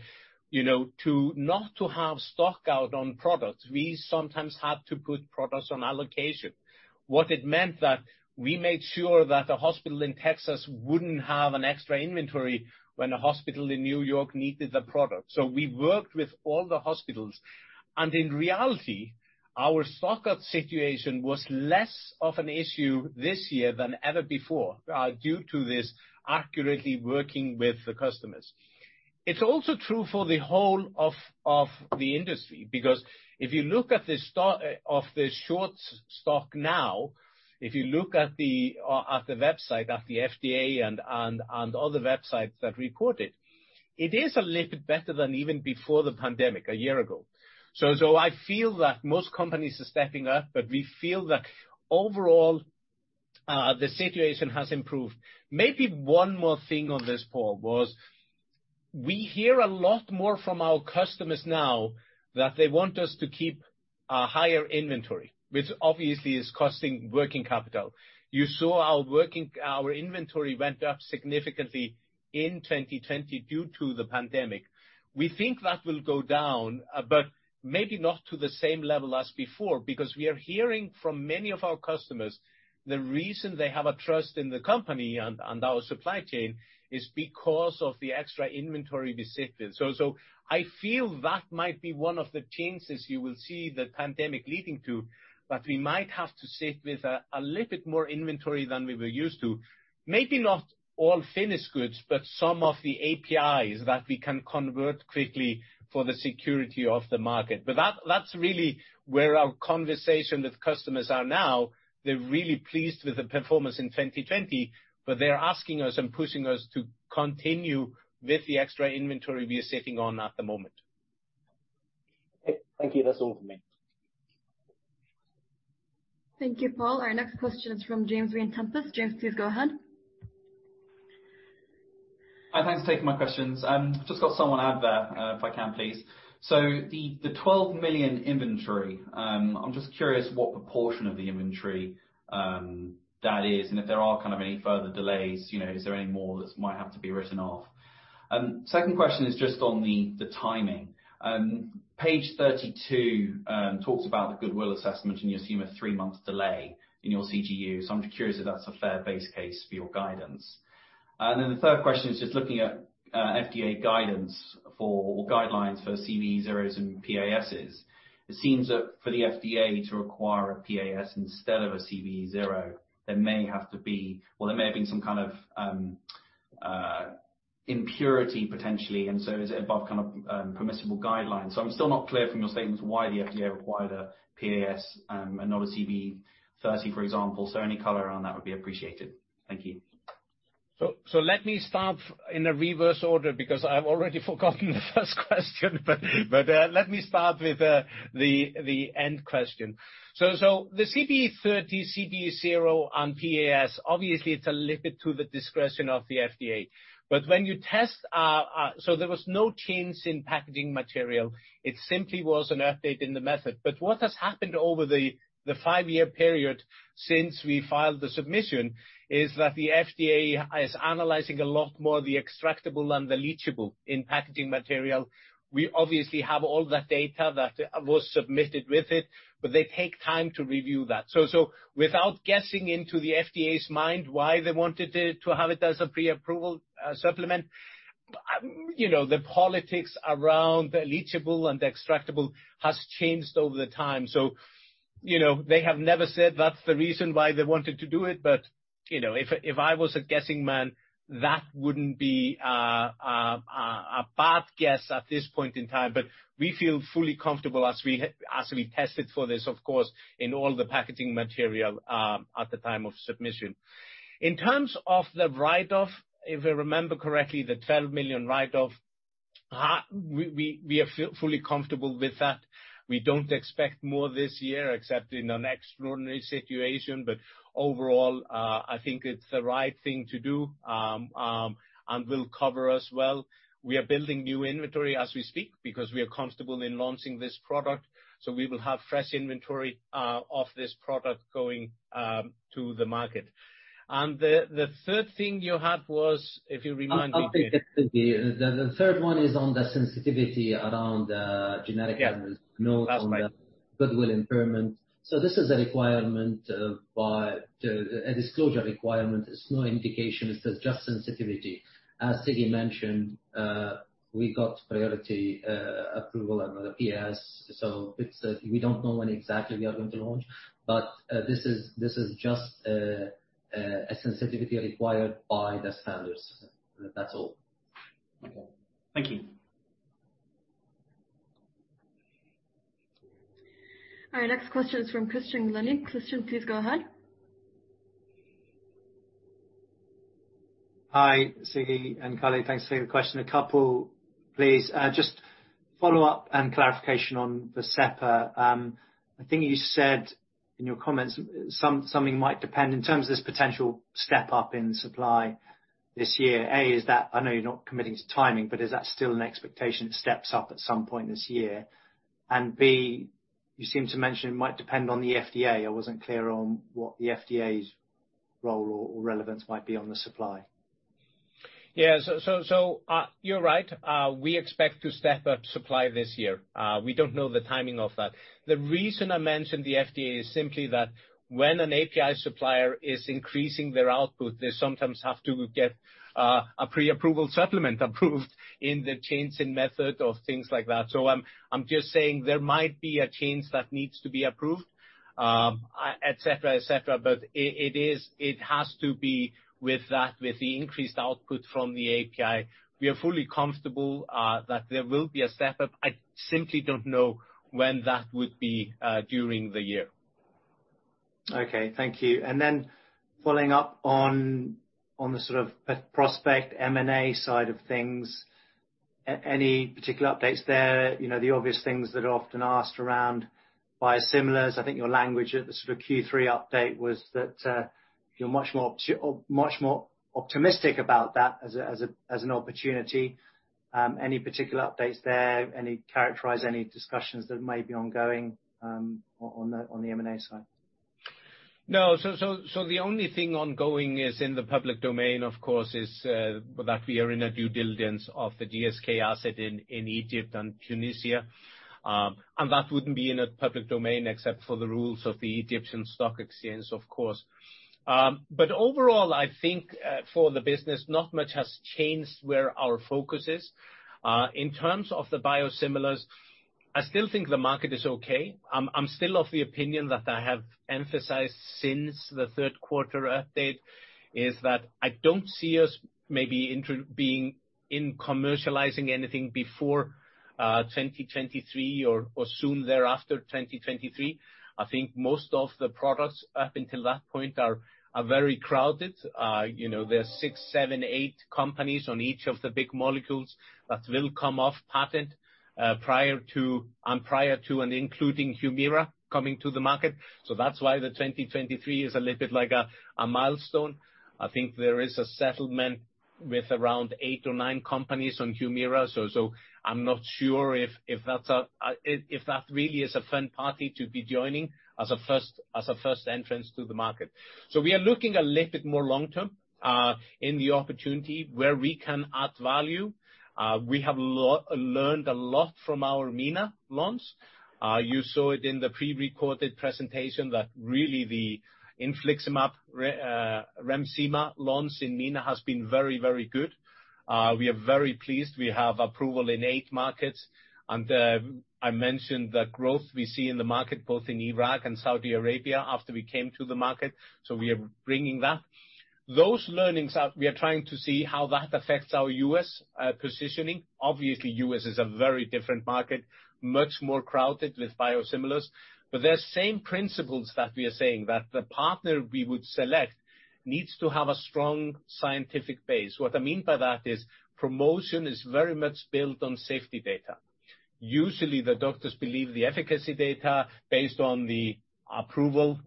you know, not to have stockout on products, we sometimes had to put products on allocation. What it meant that we made sure that a hospital in Texas wouldn't have an extra inventory when a hospital in New York needed the product. So we worked with all the hospitals, and in reality, our stockout situation was less of an issue this year than ever before, due to this accurately working with the customers. It's also true for the whole of the industry, because if you look at the stock now, if you look at the website, at the FDA and other websites that report it, it is a little bit better than even before the pandemic, a year ago. So I feel that most companies are stepping up, but we feel that overall the situation has improved. Maybe one more thing on this, Paul, was we hear a lot more from our customers now that they want us to keep a higher inventory, which obviously is costing working capital. You saw our inventory went up significantly in 2020 due to the pandemic. We think that will go down, but maybe not to the same level as before, because we are hearing from many of our customers, the reason they have a trust in the company and, and our supply chain is because of the extra inventory we sit with. So, so I feel that might be one of the changes you will see the pandemic leading to, but we might have to sit with a, a little bit more inventory than we were used to. Maybe not all finished goods, but some of the APIs that we can convert quickly for the security of the market. But that, that's really where our conversation with customers are now. They're really pleased with the performance in 2020, but they're asking us and pushing us to continue with the extra inventory we are sitting on at the moment. Thank you. That's all from me. Thank you, Paul. Our next question is from James Vane-Tempest from Jefferies. James, please go ahead. Hi, thanks for taking my questions. Just got someone out there, if I can, please. So the, the $12 million inventory, I'm just curious what proportion of the inventory, that is, and if there are kind of any further delays, you know, is there any more that might have to be written off? Second question is just on the, the timing. Page 32, talks about the goodwill assessment, and you assume a three month delay in your CGU. So I'm just curious if that's a fair base case for your guidance. And then the third question is just looking at, FDA guidance for, or guidelines for CBE-30s and PASs. It seems that for the FDA to require a PAS instead of a CBE-30, there may have to be... Well, there may have been some kind of impurity, potentially, and so is it above kind of permissible guidelines? So I'm still not clear from your statements why the FDA required a PAS, and not a CBE-30, for example. So any color around that would be appreciated. Thank you. So let me start in reverse order because I've already forgotten the first question, but let me start with the end question. So the CBE-30, CBE-0 on PAS, obviously, it's a little bit to the discretion of the FDA. But when you test—So there was no change in packaging material. It simply was an update in the method. But what has happened over the five-year period since we filed the submission is that the FDA is analyzing a lot more of the extractable and the leachable in packaging material. We obviously have all that data that was submitted with it, but they take time to review that. Without guessing into the FDA's mind, why they wanted it to have it as a pre-approval supplement, you know, the politics around the leachable and extractable has changed over the time. You know, they have never said that's the reason why they wanted to do it. But you know, if I was a guessing man, that wouldn't be a bad guess at this point in time. But we feel fully comfortable as we tested for this, of course, in all the packaging material at the time of submission. In terms of the write-off, if I remember correctly, the $12 million write-off, we are fully comfortable with that. We don't expect more this year, except in an extraordinary situation. But overall, I think it's the right thing to do, and will cover us well. We are building new inventory as we speak because we are comfortable in launching this product, so we will have fresh inventory, of this product going, to the market. And the third thing you had was, if you remind me? I'll take the... The, the third one is on the sensitivity around, genetic- Yeah. Notes on the goodwill impairment. So this is a requirement by the a disclosure requirement. It's no indication. It's just sensitivity. As Siggi mentioned, we got priority approval and the PAS, so it's we don't know when exactly we are going to launch, but this is just a sensitivity required by the standards. That's all. Okay. Thank you. Our next question is from Christian Glennie. Christian, please go ahead. Hi, Siggi and Khalid. Thanks for taking the question. A couple, please. Just follow up and clarification on the Vascepa. I think you said in your comments, something might depend. In terms of this potential step up in supply this year, A, is that... I know you're not committing to timing, but is that still an expectation it steps up at some point this year? And B, you seem to mention it might depend on the FDA. I wasn't clear on what the FDA's role or relevance might be on the supply. Yeah, so, you're right. We expect to step up supply this year. We don't know the timing of that. The reason I mentioned the FDA is simply that when an API supplier is increasing their output, they sometimes have to get a pre-approval supplement approved in the change in method or things like that. So I'm just saying there might be a change that needs to be approved, et cetera, et cetera, but it is, it has to be with that, with the increased output from the API. We are fully comfortable that there will be a step-up. I simply don't know when that would be during the year. Okay, thank you. And then following up on the sort of prospect M&A side of things. Any particular updates there? You know, the obvious things that are often asked around biosimilars, I think your language at the sort of Q3 update was that you're much more optimistic about that as a, as a, as an opportunity. Any particular updates there? Any, characterize any discussions that may be ongoing on the M&A side? No. So the only thing ongoing is in the public domain, of course, is that we are in a due diligence of the GSK asset in Egypt and Tunisia. And that wouldn't be in a public domain except for the rules of the Egyptian Stock Exchange, of course. But overall, I think for the business, not much has changed where our focus is. In terms of the biosimilars, I still think the market is okay. I'm still of the opinion that I have emphasized since the third quarter update, is that I don't see us maybe being in commercializing anything before 2023 or soon thereafter 2023. I think most of the products up until that point are very crowded. You know, there are six, seven, eight companies on each of the big molecules that will come off patent, prior to and including Humira coming to the market. So that's why the 2023 is a little bit like a milestone. I think there is a settlement with around eight or nine companies on Humira, so I'm not sure if that's a fun party to be joining as a first entrance to the market. So we are looking a little bit more long-term in the opportunity where we can add value. We have learned a lot from our MENA launch. You saw it in the pre-recorded presentation, that really the infliximab, Remsima launch in MENA has been very, very good. We are very pleased. We have approval in eight markets, and I mentioned the growth we see in the market, both in Iraq and Saudi Arabia, after we came to the market, so we are bringing that. Those learnings are. We are trying to see how that affects our U.S. positioning. Obviously, U.S. is a very different market, much more crowded with biosimilars. But the same principles that we are saying, that the partner we would select needs to have a strong scientific base. What I mean by that is promotion is very much built on safety data. Usually, the doctors believe the efficacy data based on the approval,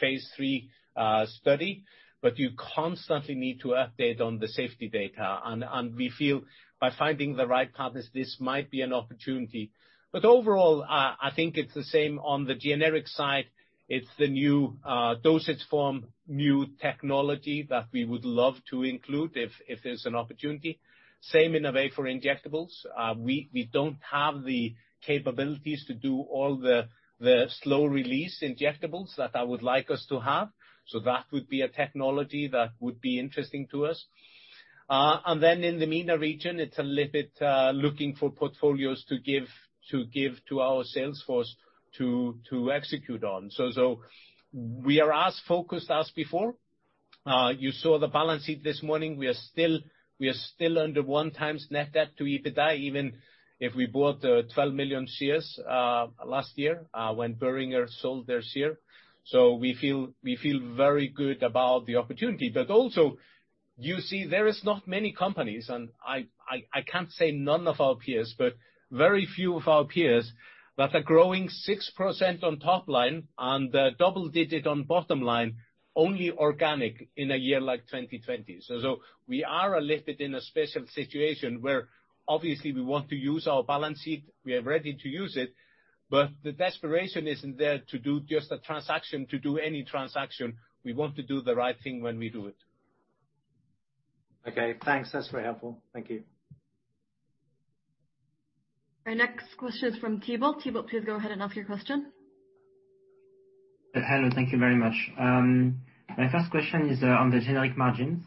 phase three study, but you constantly need to update on the safety data. And we feel by finding the right partners, this might be an opportunity. But overall, I think it's the same on the generic side. It's the new dosage form, new technology that we would love to include if there's an opportunity. Same in a way for injectables. We don't have the capabilities to do all the slow release injectables that I would like us to have, so that would be a technology that would be interesting to us. And then in the MENA region, it's a little bit looking for portfolios to give to our sales force to execute on. So we are as focused as before. You saw the balance sheet this morning. We are still under 1x net debt to EBITDA, even if we bought 12 million shares last year when Boehringer sold their share. So we feel very good about the opportunity. But also, you see there is not many companies, and I can't say none of our peers, but very few of our peers that are growing 6% on top line and double digit on bottom line, only organic, in a year like 2020. So we are a little bit in a special situation, where obviously we want to use our balance sheet. We are ready to use it, but the desperation isn't there to do just a transaction, to do any transaction. We want to do the right thing when we do it. Okay, thanks. That's very helpful. Thank you. Our next question is from Thibault. Thibault, please go ahead and ask your question. Hello, thank you very much. My first question is on the generic margins.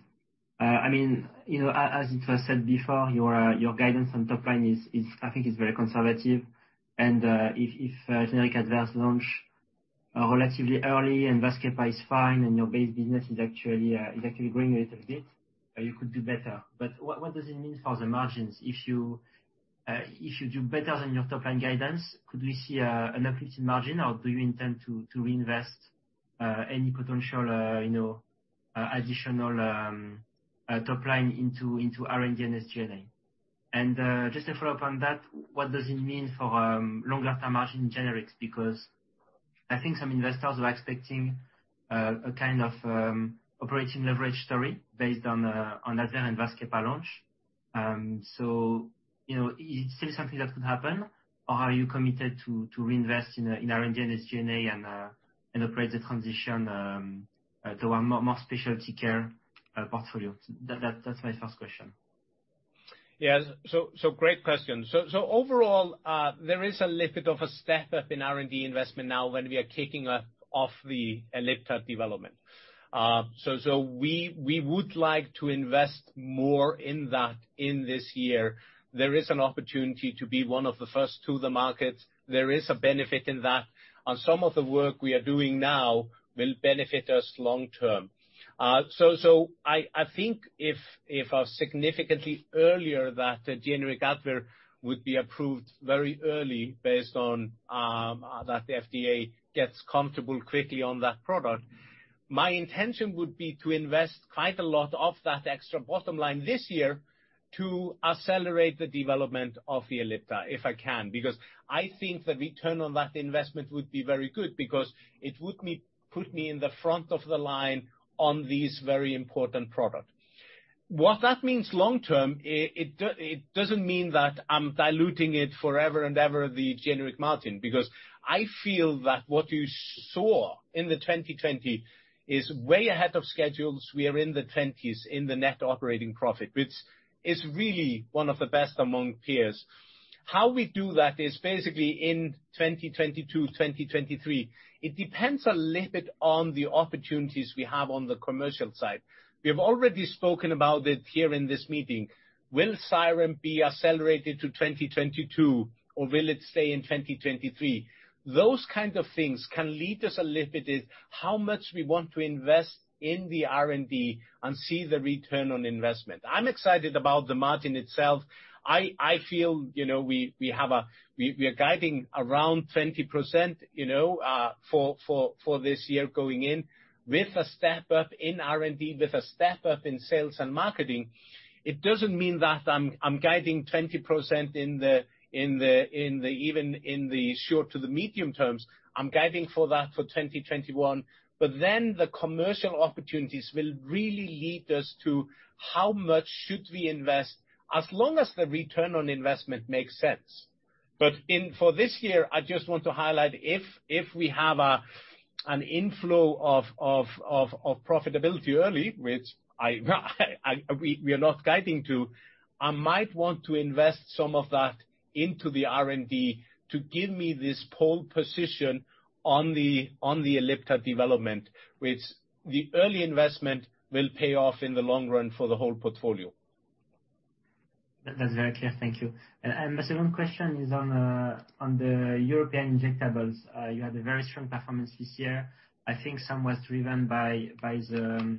I mean, you know, as it was said before, your guidance on top line is, I think, very conservative. And if generic Advair launch are relatively early and Vascepa is fine and your base business is actually growing a little bit, you could do better. But what does it mean for the margins? If you do better than your top line guidance, could we see an uplift in margin, or do you intend to reinvest any potential, you know, additional top line into R&D and SG&A? And just to follow up on that, what does it mean for longer term margin generics? Because I think some investors are expecting a kind of operating leverage story based on Advair and Vascepa launch. So, you know, is it still something that could happen, or are you committed to reinvest in R&D and SG&A and operate the transition to a more specialty care portfolio? That's my first question. Yes, so, so great question. So, so overall, there is a little bit of a step up in R&D investment now when we are kicking off the Ellipta development. So, so we, we would like to invest more in that in this year. There is an opportunity to be one of the first to the market. There is a benefit in that, and some of the work we are doing now will benefit us long term. So, so I, I think if, if significantly earlier that the generic Advair would be approved very early based on that the FDA gets comfortable quickly on that product, my intention would be to invest quite a lot of that extra bottom line this year to accelerate the development of the Ellipta, if I can. Because I think the return on that investment would be very good because it would put me in the front of the line on this very important product. What that means long term, it doesn't mean that I'm diluting it forever and ever, the generic margin, because I feel that what you saw in 2020 is way ahead of schedules. We are in the 20s in the net operating profit, which is really one of the best among peers. How we do that is basically in 2022, 2023, it depends a little bit on the opportunities we have on the commercial side. We have already spoken about it here in this meeting. Will Xyrem be accelerated to 2022, or will it stay in 2023? Those kind of things can lead us a little bit is, how much we want to invest in the R&D and see the return on investment. I'm excited about the margin itself. I feel, you know, we have a—we are guiding around 20%, you know, for this year, going in, with a step up in R&D, with a step up in sales and marketing. It doesn't mean that I'm guiding 20% in the, in the, in the, even in the short to the medium terms. I'm guiding for that for 2021. But then the commercial opportunities will really lead us to how much should we invest, as long as the return on investment makes sense. But for this year, I just want to highlight if we have an inflow of profitability early, which we are not guiding to, I might want to invest some of that into the R&D to give me this pole position on the Ellipta development, which the early investment will pay off in the long run for the whole portfolio. That's very clear. Thank you. And the second question is on the European injectables. You had a very strong performance this year. I think some was driven by the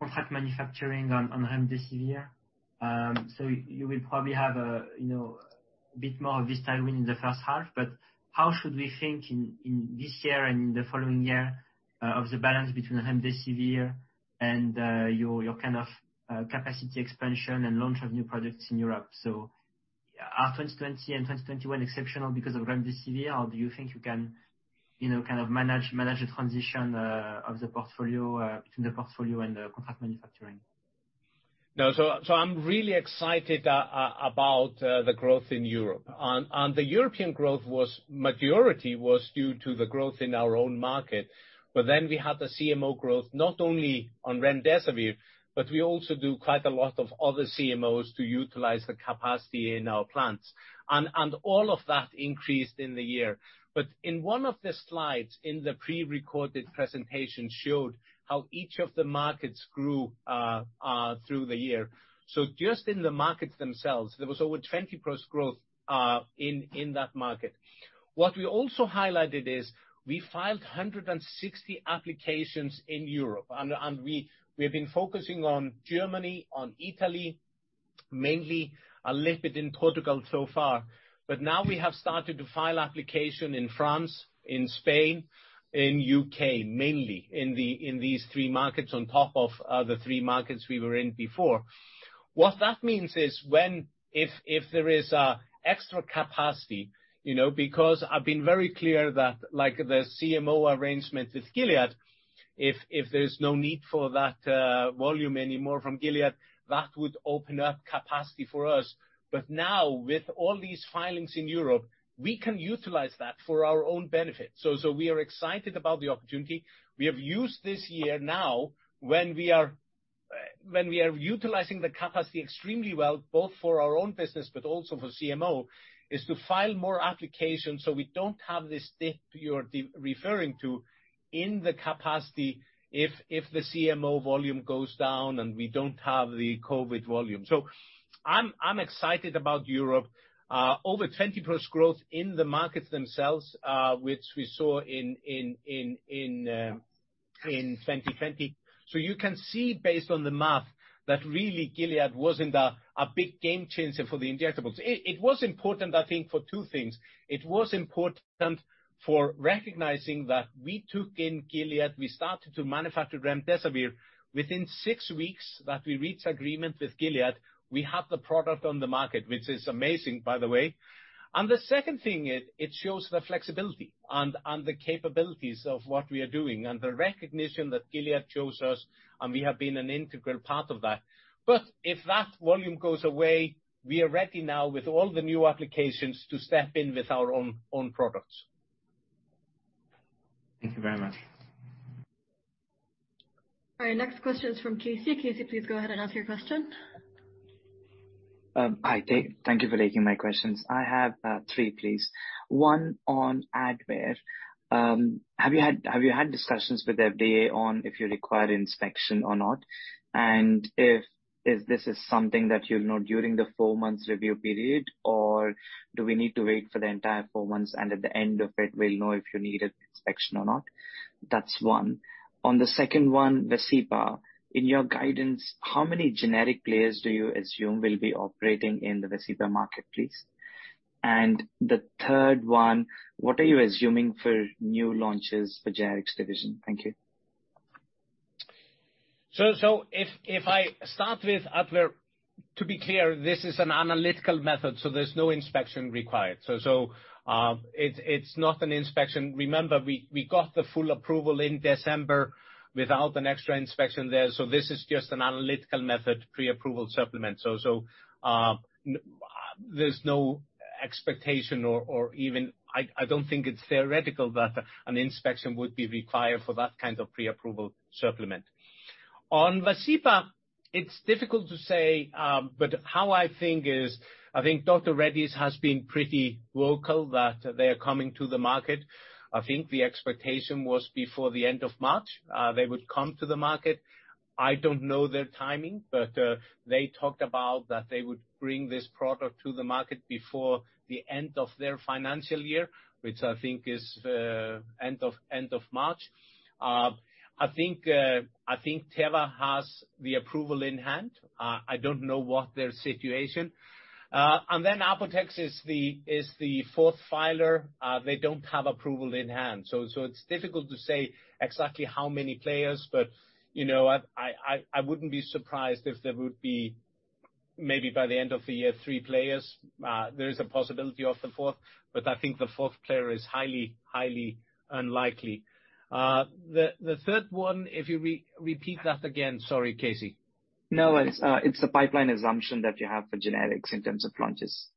contract manufacturing on remdesivir. So you will probably have a, you know, a bit more of this tailwind in the first half, but how should we think in this year and in the following year of the balance between remdesivir and your kind of capacity expansion and launch of new products in Europe? So are 2020 and 2021 exceptional because of remdesivir, or do you think you can, you know, kind of manage the transition of the portfolio between the portfolio and the contract manufacturing? No, so I'm really excited about the growth in Europe. The European growth was majority due to the growth in our own market. But then we had the CMO growth, not only on remdesivir, but we also do quite a lot of other CMOs to utilize the capacity in our plants. And all of that increased in the year. But in one of the slides, in the prerecorded presentation, showed how each of the markets grew through the year. So just in the markets themselves, there was over 20+ growth in that market. What we also highlighted is, we filed 160 applications in Europe, and we have been focusing on Germany, on Italy, mainly a little bit in Portugal so far. But now we have started to file application in France, in Spain, in the U.K., mainly in these three markets, on top of the three markets we were in before. What that means is, if there is extra capacity, you know, because I've been very clear that, like the CMO arrangement with Gilead, if there's no need for that volume anymore from Gilead, that would open up capacity for us. But now, with all these filings in Europe, we can utilize that for our own benefit. So we are excited about the opportunity. We have used this year now, when we are, when we are utilizing the capacity extremely well, both for our own business but also for CMO, is to file more applications, so we don't have this dip you're referring to in the capacity if, if the CMO volume goes down and we don't have the COVID volume. So I'm excited about Europe. Over 20+ growth in the markets themselves, which we saw in 2020. So you can see based on the math, that really Gilead wasn't a big game changer for the injectables. It was important, I think, for two things. It was important for recognizing that we took in Gilead, we started to manufacture remdesivir. Within six weeks that we reached agreement with Gilead, we had the product on the market, which is amazing, by the way. And the second thing is, it shows the flexibility and the capabilities of what we are doing, and the recognition that Gilead chose us, and we have been an integral part of that. But if that volume goes away, we are ready now with all the new applications to step in with our own products. Thank you very much. Our next question is from Casey. Casey, please go ahead and ask your question. Hi, Dave. Thank you for taking my questions. I have three, please. One on Advair. Have you had discussions with the FDA on if you require inspection or not? And if this is something that you'll know during the four months review period, or do we need to wait for the entire four months, and at the end of it, we'll know if you need an inspection or not? That's one. On the second one, Vascepa. In your guidance, how many generic players do you assume will be operating in the Vascepa market, please? And the third one, what are you assuming for new launches for Generics division? Thank you. So if I start with Advair, to be clear, this is an analytical method, so there's no inspection required. So it's not an inspection. Remember, we got the full approval in December without an extra inspection there, so this is just an analytical method, pre-approval supplement. So there's no expectation or even... I don't think it's theoretical that an inspection would be required for that kind of pre-approval supplement. On Vascepa, it's difficult to say, but how I think is, I think Dr. Reddy's has been pretty vocal that they are coming to the market. I think the expectation was before the end of March, they would come to the market. I don't know their timing, but they talked about that they would bring this product to the market before the end of their financial year, which I think is end of March. I think Teva has the approval in hand. I don't know what their situation. And then Apotex is the fourth filer. They don't have approval in hand. So it's difficult to say exactly how many players, but you know what? I wouldn't be surprised if there would be, maybe by the end of the year, three players. There is a possibility of the fourth, but I think the fourth player is highly unlikely. The third one, if you repeat that again? Sorry, Casey. No worries. It's the pipeline assumption that you have for generics in terms of launches.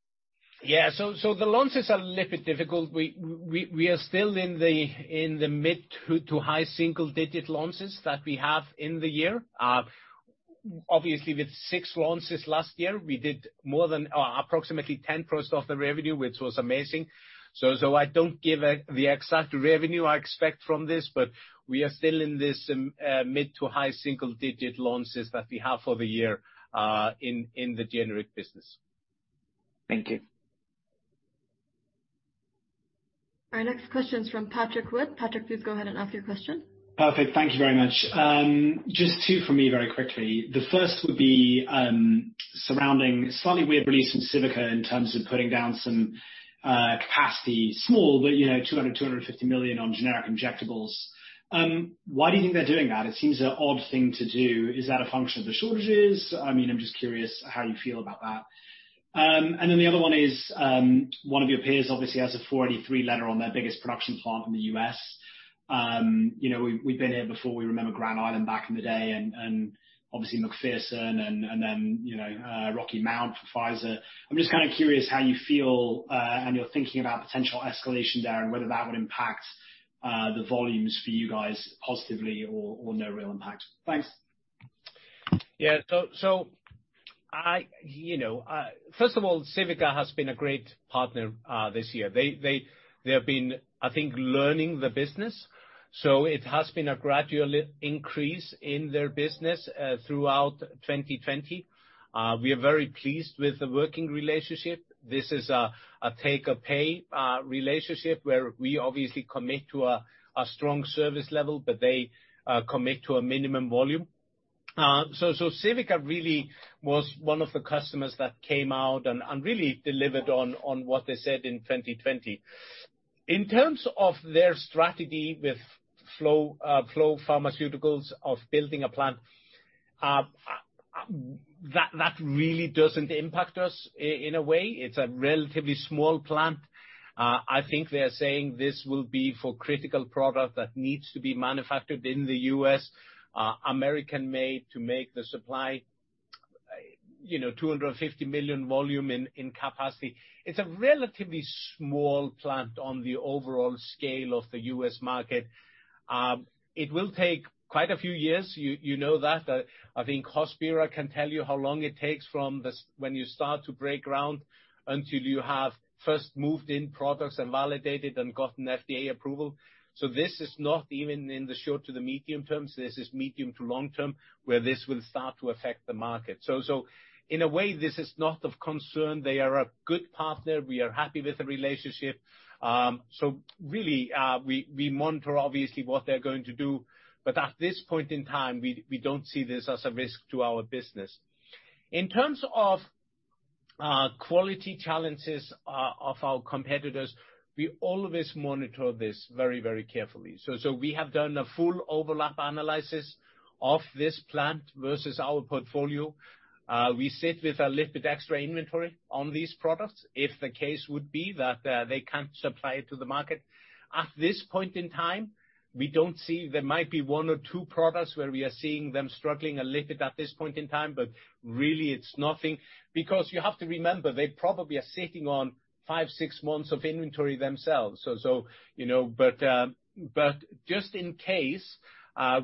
Yeah. So the launches are a little bit difficult. We are still in the mid- to high-single-digit launches that we have in the year. Obviously, with 6 launches last year, we did more than approximately 10% of the revenue, which was amazing. So I don't give the exact revenue I expect from this, but we are still in this mid- to high-single-digit launches that we have for the year, in the generic business. Thank you. Our next question is from Patrick Wood. Patrick, please go ahead and ask your question. Perfect. Thank you very much. Just two for me, very quickly. The first would be surrounding slightly weird release from Civica in terms of putting down some capacity, small, but, you know, $200 million-$250 million on generic injectables. Why do you think they're doing that? It seems an odd thing to do. Is that a function of the shortages? I mean, I'm just curious how you feel about that. And then the other one is one of your peers obviously has a 483 letter on their biggest production plant in the U.S. You know, we, we've been here before. We remember Grand Island back in the day and obviously McPherson and then, you know, Rocky Mount for Pfizer. I'm just kinda curious how you feel and you're thinking about potential escalation there and whether that would impact the volumes for you guys positively or no real impact. Thanks. Yeah. So, you know, first of all, Civica has been a great partner this year. They have been, I think, learning the business, so it has been a gradual increase in their business throughout 2020. We are very pleased with the working relationship. This is a take or pay relationship, where we obviously commit to a strong service level, but they commit to a minimum volume. So, Civica really was one of the customers that came out and really delivered on what they said in 2020. In terms of their strategy with Phlow Pharmaceuticals of building a plant, that really doesn't impact us in a way. It's a relatively small plant. I think they're saying this will be for critical product that needs to be manufactured in the U.S., American-made, to make the supply, you know, 250 million volume in capacity. It's a relatively small plant on the overall scale of the U.S. market. It will take quite a few years, you know that. I think Hospira can tell you how long it takes from when you start to break ground until you have first moved in products and validated and gotten FDA approval. So this is not even in the short to the medium term. This is medium to long term, where this will start to affect the market. So in a way, this is not of concern. They are a good partner. We are happy with the relationship. So really, we monitor obviously what they're going to do, but at this point in time, we don't see this as a risk to our business. In terms of quality challenges of our competitors, we always monitor this very, very carefully. We have done a full overlap analysis of this plant versus our portfolio. We sit with a little bit extra inventory on these products if the case would be that they can't supply it to the market. At this point in time, we don't see... There might be one or two products where we are seeing them struggling a little bit at this point in time, but really it's nothing. Because you have to remember, they probably are sitting on five, six months of inventory themselves. So, you know, but just in case,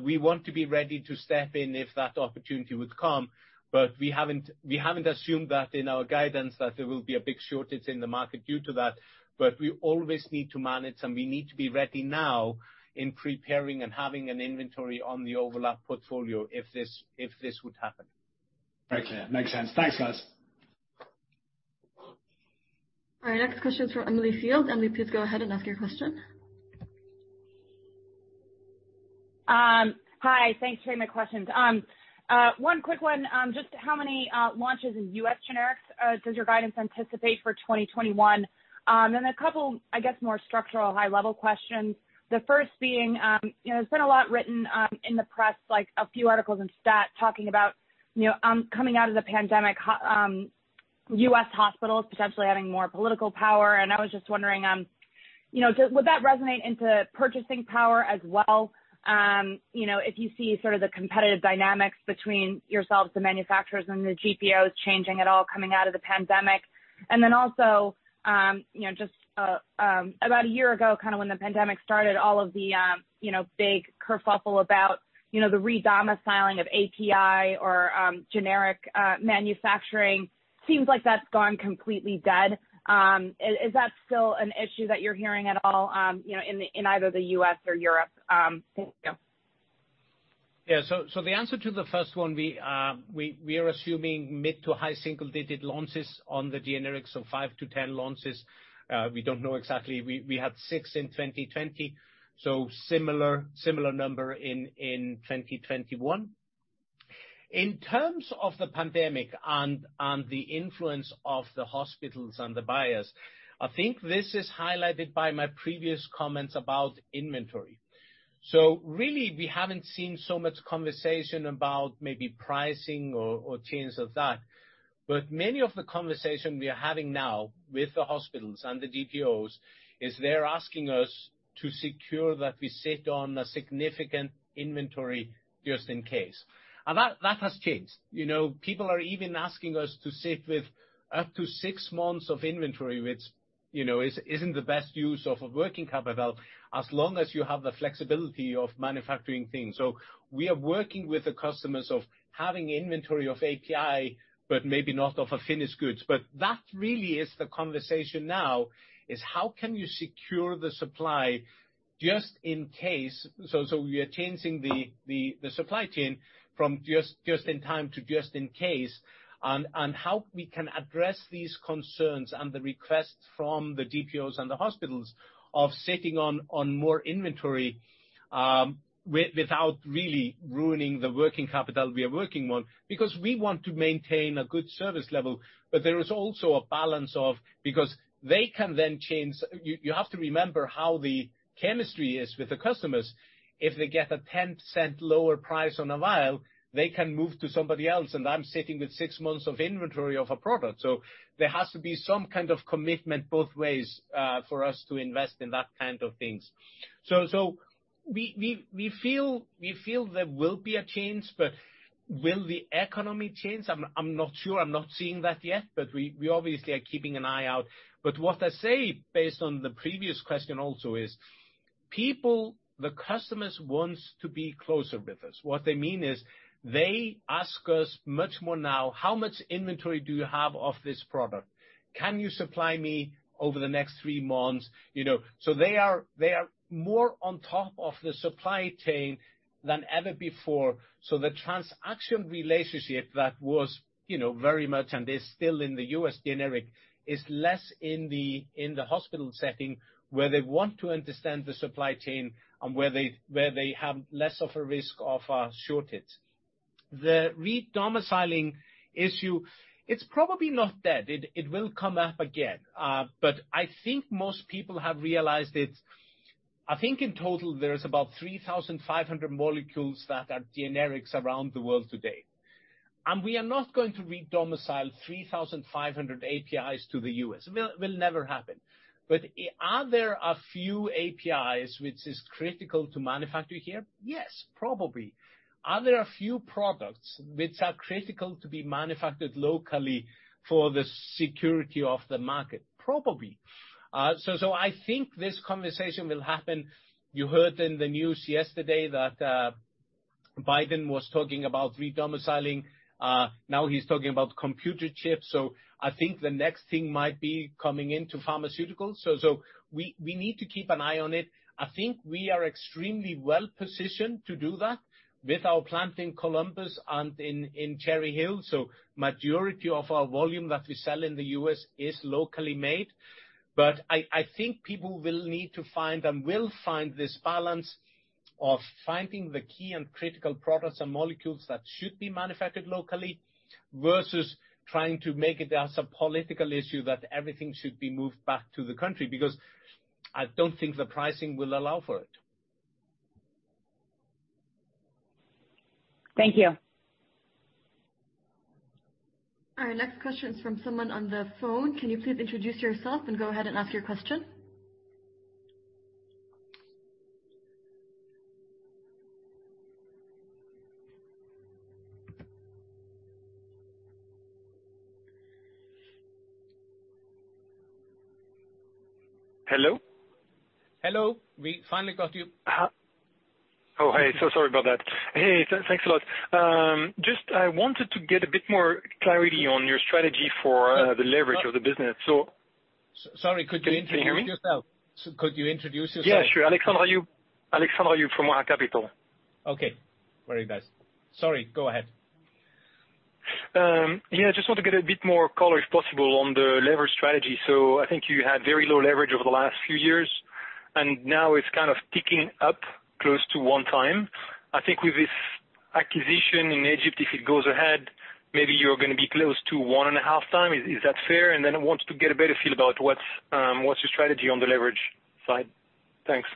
we want to be ready to step in if that opportunity would come, but we haven't assumed that in our guidance, that there will be a big shortage in the market due to that. But we always need to manage, and we need to be ready now in preparing and having an inventory on the overlap portfolio if this would happen. Very clear. Makes sense. Thanks, guys. Our next question is from Emily Field. Emily, please go ahead and ask your question. Hi, thanks for taking my questions. One quick one, just how many launches in U.S. generics does your guidance anticipate for 2021? And a couple, I guess, more structural, high-level questions. The first being, you know, there's been a lot written in the press, like a few articles in Stat talking about, you know, coming out of the pandemic, U.S. hospitals potentially having more political power. And I was just wondering, you know, would that resonate into purchasing power as well? You know, if you see sort of the competitive dynamics between yourselves, the manufacturers, and the GPOs changing at all coming out of the pandemic. And then also, you know, just, about a year ago, kind of when the pandemic started, all of the, you know, big kerfuffle about, you know, the re-domiciling of API or, generic, manufacturing, seems like that's gone completely dead. Is that still an issue that you're hearing at all, you know, in the—in either the U.S. or Europe? Thank you. Yeah. So the answer to the first one, we are assuming mid- to high-single-digit launches on the generics, so five to10 launches. We don't know exactly. We had six in 2020, so similar number in 2021. In terms of the pandemic and the influence of the hospitals and the buyers, I think this is highlighted by my previous comments about inventory. So really, we haven't seen so much conversation about maybe pricing or changes of that, but many of the conversation we are having now with the hospitals and the GPOs is they're asking us to secure that we sit on a significant inventory just in case. And that has changed. You know, people are even asking us to sit with up to six months of inventory, which, you know, isn't the best use of working capital, as long as you have the flexibility of manufacturing things. So we are working with the customers of having inventory of API, but maybe not of a finished goods. But that really is the conversation now, is how can you secure the supply just in case? So we are changing the supply chain from just in time to just in case. And how we can address these concerns and the requests from the GPOs and the hospitals of sitting on more inventory without really ruining the working capital we are working on. Because we want to maintain a good service level, but there is also a balance of... Because they can then change. You have to remember how the chemistry is with the customers. If they get a 10-cent lower price on a vial, they can move to somebody else, and I'm sitting with six months of inventory of a product. So there has to be some kind of commitment both ways, for us to invest in that kind of things. So we feel there will be a change, but will the economy change? I'm not sure. I'm not seeing that yet, but we obviously are keeping an eye out. But what I say, based on the previous question also is, people, the customers, wants to be closer with us. What they mean is, they ask us much more now: "How much inventory do you have of this product? Can you supply me over the next three months?" You know, so they are, they are more on top of the supply chain than ever before. So the transaction relationship that was, you know, very much, and is still in the U.S. generic, is less in the, in the hospital setting, where they want to understand the supply chain and where they, where they have less of a risk of shortage. The re-domiciling issue, it's probably not dead. It will come up again. But I think most people have realized it. I think in total there is about 3,500 molecules that are generics around the world today. And we are not going to re-domicile 3,500 APIs to the U.S. Will never happen. But are there a few APIs which is critical to manufacture here? Yes, probably. Are there a few products which are critical to be manufactured locally for the security of the market? Probably. So I think this conversation will happen. You heard in the news yesterday that Biden was talking about re-domiciling. Now he's talking about computer chips, so I think the next thing might be coming into pharmaceuticals. So we need to keep an eye on it. I think we are extremely well positioned to do that with our plant in Columbus and in Cherry Hill. So majority of our volume that we sell in the U.S. is locally made. But I think people will need to find, and will find, this balance of finding the key and critical products and molecules that should be manufactured locally versus trying to make it as a political issue, that everything should be moved back to the country, because I don't think the pricing will allow for it. Thank you. Our next question is from someone on the phone. Can you please introduce yourself and go ahead and ask your question? Hello? Hello, we finally got you. Oh, hey, so sorry about that. Hey, thanks a lot. Just, I wanted to get a bit more clarity on your strategy for the leverage of the business. So- Sorry, could you introduce yourself? Can you hear me? Could you introduce yourself? Yeah, sure. Alexandre Craye. Alexandre Craye from Oddo BHF. Okay. Very nice. Sorry, go ahead. Yeah, I just want to get a bit more color, if possible, on the leverage strategy. So I think you had very low leverage over the last few years, and now it's kind of ticking up close to 1x. I think with this acquisition in Egypt, if it goes ahead, maybe you're gonna be close to 1.5x. Is that fair? And then I want to get a better feel about what's your strategy on the leverage side? Thanks.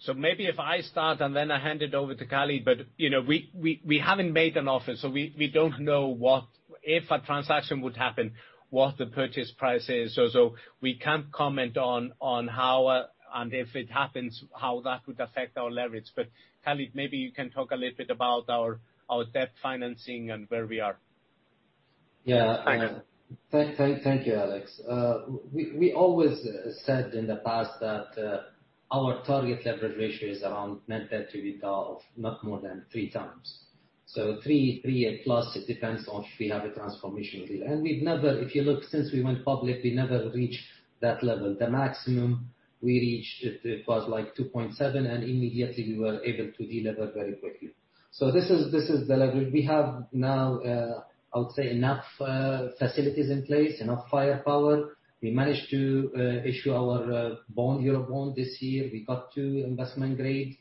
So maybe if I start, and then I hand it over to Khalid. But, you know, we haven't made an offer, so we don't know what—if a transaction would happen, what the purchase price is. So we can't comment on how and if it happens, how that would affect our leverage. But, Khalid, maybe you can talk a little bit about our debt financing and where we are. Yeah. Thank. Thank you, Alex. We always said in the past that our target leverage ratio is around net debt to EBITDA of not more than 3x. So three, three and plus, it depends on if we have a transformational deal. And we've never, if you look since we went public, we never reached that level. The maximum we reached was, like, 2.7, and immediately we were able to deleverage very quickly. So this is the level. We have now, I would say, enough facilities in place, enough firepower. We managed to issue our bond, Euro bond this year. We got two investment-grade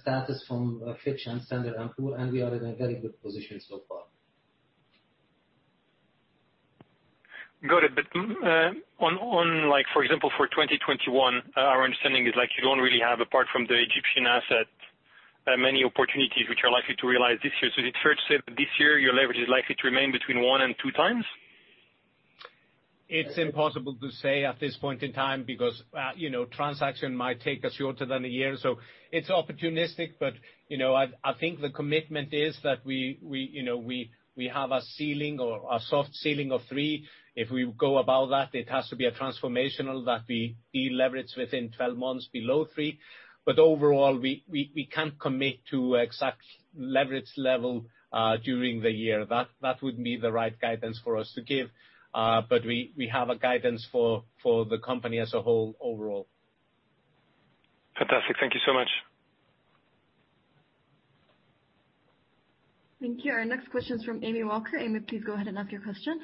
status from Fitch and Standard & Poor's, and we are in a very good position so far. Got it. But, on, like, for example, for 2021, our understanding is, like, you don't really have, apart from the Egyptian asset, many opportunities which are likely to realize this year. So is it fair to say that this year, your leverage is likely to remain between one and two times? It's impossible to say at this point in time because, you know, transaction might take us shorter than a year, so it's opportunistic. But, you know, I, I think the commitment is that we, we, you know, we, we have a ceiling or a soft ceiling of three. If we go above that, it has to be a transformational that we deleverage within 12 months below three. But overall, we, we, we can't commit to exact leverage level, during the year. That, that would be the right guidance for us to give, but we, we have a guidance for, for the company as a whole, overall. Fantastic. Thank you so much. Thank you. Our next question is from Amy Walker. Amy, please go ahead and ask your question.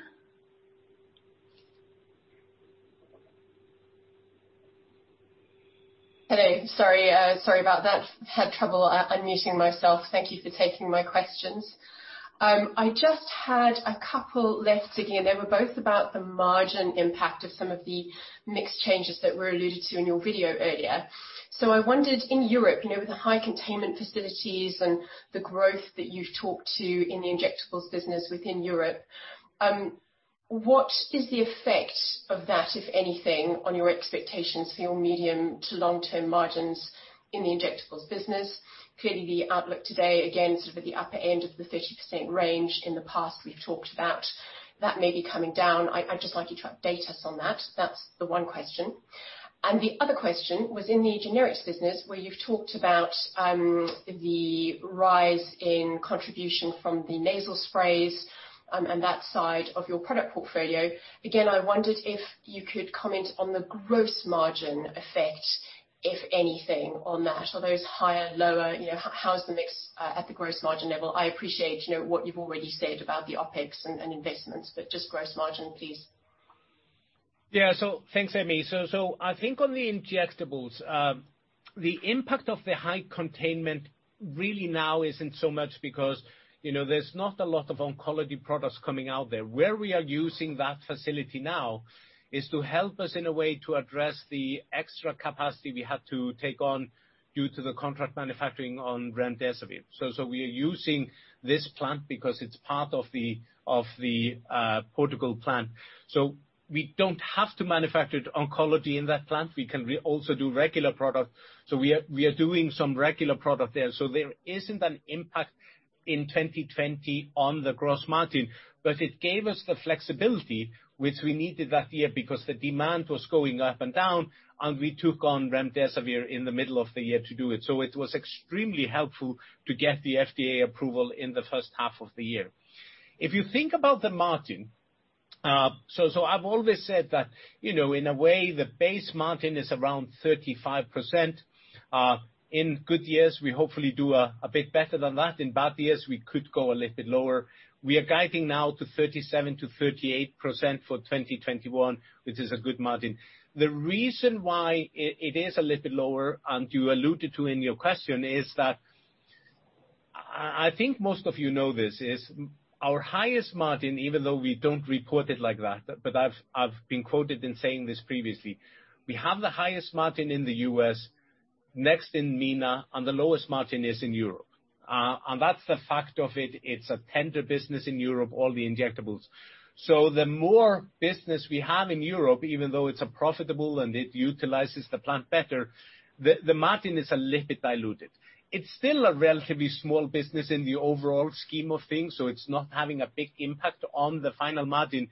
Hello. Sorry, sorry about that. Had trouble unmuting myself. Thank you for taking my questions. I just had a couple left again, they were both about the margin impact of some of the mix changes that were alluded to in your video earlier. So I wondered, in Europe, you know, with the high containment facilities and the growth that you've talked to in the injectables business within Europe, what is the effect of that, if anything, on your expectations for your medium to long-term margins in the injectables business? Clearly, the outlook today, again, sort of at the upper end of the 30% range. In the past, we've talked about that may be coming down. I'd just like you to update us on that. That's the one question. And the other question was in the generics business, where you've talked about the rise in contribution from the nasal sprays and that side of your product portfolio. Again, I wondered if you could comment on the gross margin effect, if anything, on that. Are those higher, lower? You know, how's the mix at the gross margin level? I appreciate, you know, what you've already said about the OpEx and investments, but just gross margin, please. Yeah. So thanks, Amy. So I think on the injectables, the impact of the high containment really now isn't so much because, you know, there's not a lot of oncology products coming out there. Where we are using that facility now is to help us in a way to address the extra capacity we had to take on due to the contract manufacturing on remdesivir. So we are using this plant because it's part of the Portugal plant. So we don't have to manufacture the oncology in that plant. We can also do regular product. So we are doing some regular product there. So there isn't an impact in 2020 on the gross margin, but it gave us the flexibility which we needed that year because the demand was going up and down, and we took on remdesivir in the middle of the year to do it. So it was extremely helpful to get the FDA approval in the first half of the year. If you think about the margin, so I've always said that, you know, in a way, the base margin is around 35%. In good years, we hopefully do a bit better than that. In bad years, we could go a little bit lower. We are guiding now to 37%-38% for 2021, which is a good margin. The reason why it is a little bit lower, and you alluded to in your question, is that... I think most of you know this is our highest margin, even though we don't report it like that, but I've been quoted in saying this previously. We have the highest margin in the U.S., next in MENA, and the lowest margin is in Europe. And that's the fact of it. It's a tender business in Europe, all the injectables. So the more business we have in Europe, even though it's profitable and it utilizes the plant better, the margin is a little bit diluted. It's still a relatively small business in the overall scheme of things, so it's not having a big impact on the final margin.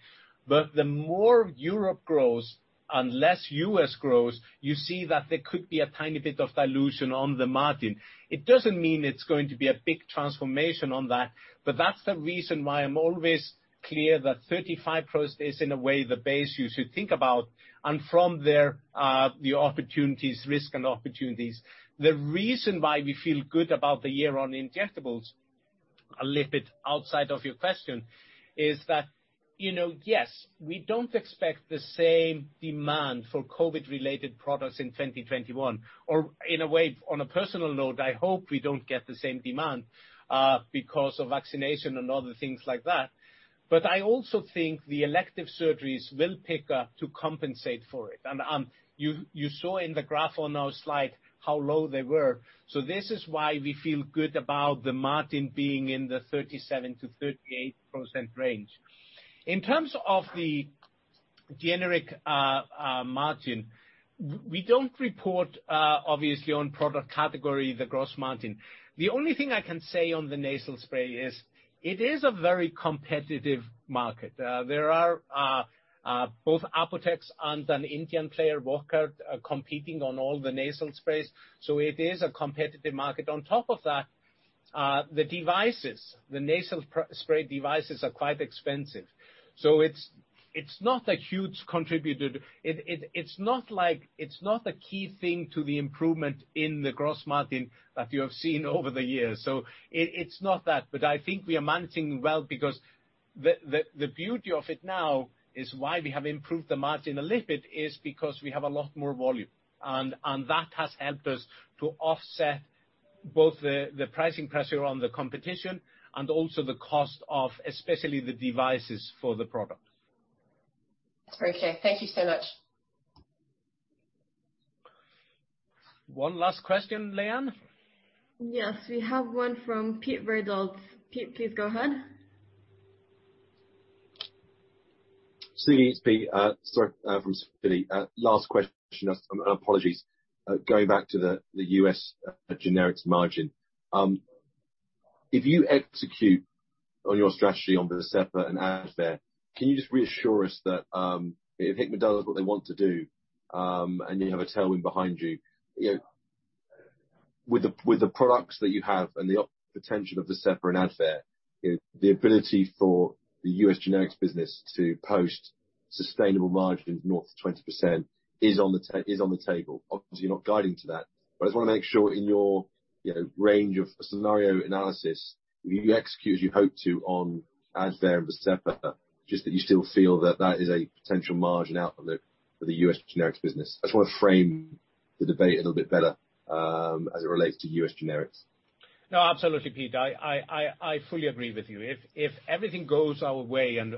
But the more Europe grows, unless U.S. grows, you see that there could be a tiny bit of dilution on the margin. It doesn't mean it's going to be a big transformation on that, but that's the reason why I'm always clear that 35% is, in a way, the base you should think about, and from there, the opportunities, risk and opportunities. The reason why we feel good about the year on injectables, a little bit outside of your question, is that, you know, yes, we don't expect the same demand for COVID-related products in 2021, or in a way, on a personal note, I hope we don't get the same demand, because of vaccination and other things like that. But I also think the elective surgeries will pick up to compensate for it. And, you saw in the graph on our slide how low they were. So this is why we feel good about the margin being in the 37%-38% range. In terms of the generic margin, we don't report, obviously, on product category, the gross margin. The only thing I can say on the nasal spray is, it is a very competitive market. There are both Apotex and an Indian player, Wockhardt, are competing on all the nasal sprays, so it is a competitive market. On top of that, the devices, the nasal spray devices, are quite expensive. So it's not a huge contributor. It's not like. It's not a key thing to the improvement in the gross margin that you have seen over the years. So it's not that, but I think we are managing well because the beauty of it now is why we have improved the margin a little bit is because we have a lot more volume, and that has helped us to offset both the pricing pressure on the competition and also the cost of, especially the devices for the product. That's very clear. Thank you so much. One last question, Leanne? Yes, we have one from Pete Reddon. Pete, please go ahead. So it's Pete from Fidelity. Last question, and apologies. Going back to the U.S. generics margin. If you execute on your strategy on Vascepa and Advair, can you just reassure us that, if Hikma does what they want to do, and you have a tailwind behind you, you know, with the products that you have and the potential of Vascepa and Advair, the ability for the U.S. generics business to post sustainable margins north of 20% is on the table. Obviously, you're not guiding to that, but I just want to make sure in your, you know, range of scenario analysis, if you execute as you hope to on Advair and Vascepa, just that you still feel that that is a potential margin out for the U.S. generics business. I just want to frame the debate a little bit better, as it relates to U.S. generics. No, absolutely, Pete. I fully agree with you. If everything goes our way and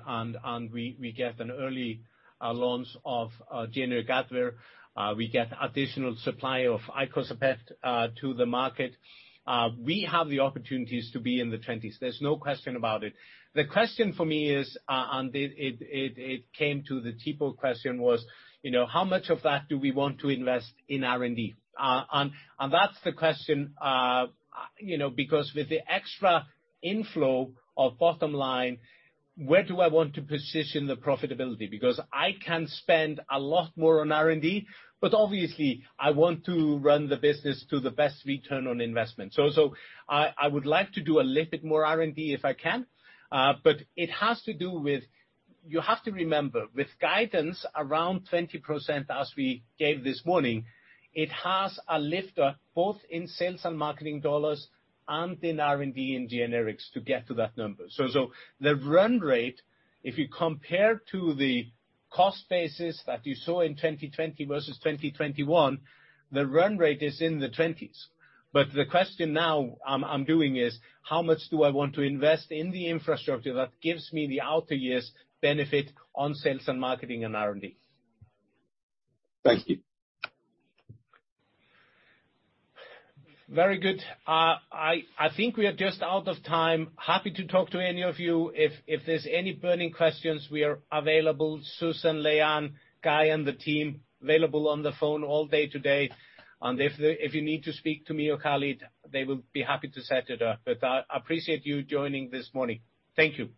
we get an early launch of generic Advair, we get additional supply of icosapent to the market, we have the opportunities to be in the twenties. There's no question about it. The question for me is, and it came to the typo question, was, you know, how much of that do we want to invest in R&D? And that's the question, you know, because with the extra inflow of bottom line, where do I want to position the profitability? Because I can spend a lot more on R&D, but obviously, I want to run the business to the best return on investment. So, so I, I would like to do a little bit more R&D if I can, but it has to do with... You have to remember, with guidance around 20%, as we gave this morning, it has a lifter both in sales and marketing dollars and in R&D and generics to get to that number. So, so the run rate, if you compare to the cost basis that you saw in 2020 versus 2021, the run rate is in the 20s. But the question now I'm, I'm doing is: how much do I want to invest in the infrastructure that gives me the outer years benefit on sales and marketing and R&D? Thank you. Very good. I think we are just out of time. Happy to talk to any of you. If there's any burning questions, we are available. Susan, Leanne, Guy, and the team, available on the phone all day today, and if you need to speak to me or Khalid, they will be happy to set it up. But I appreciate you joining this morning. Thank you.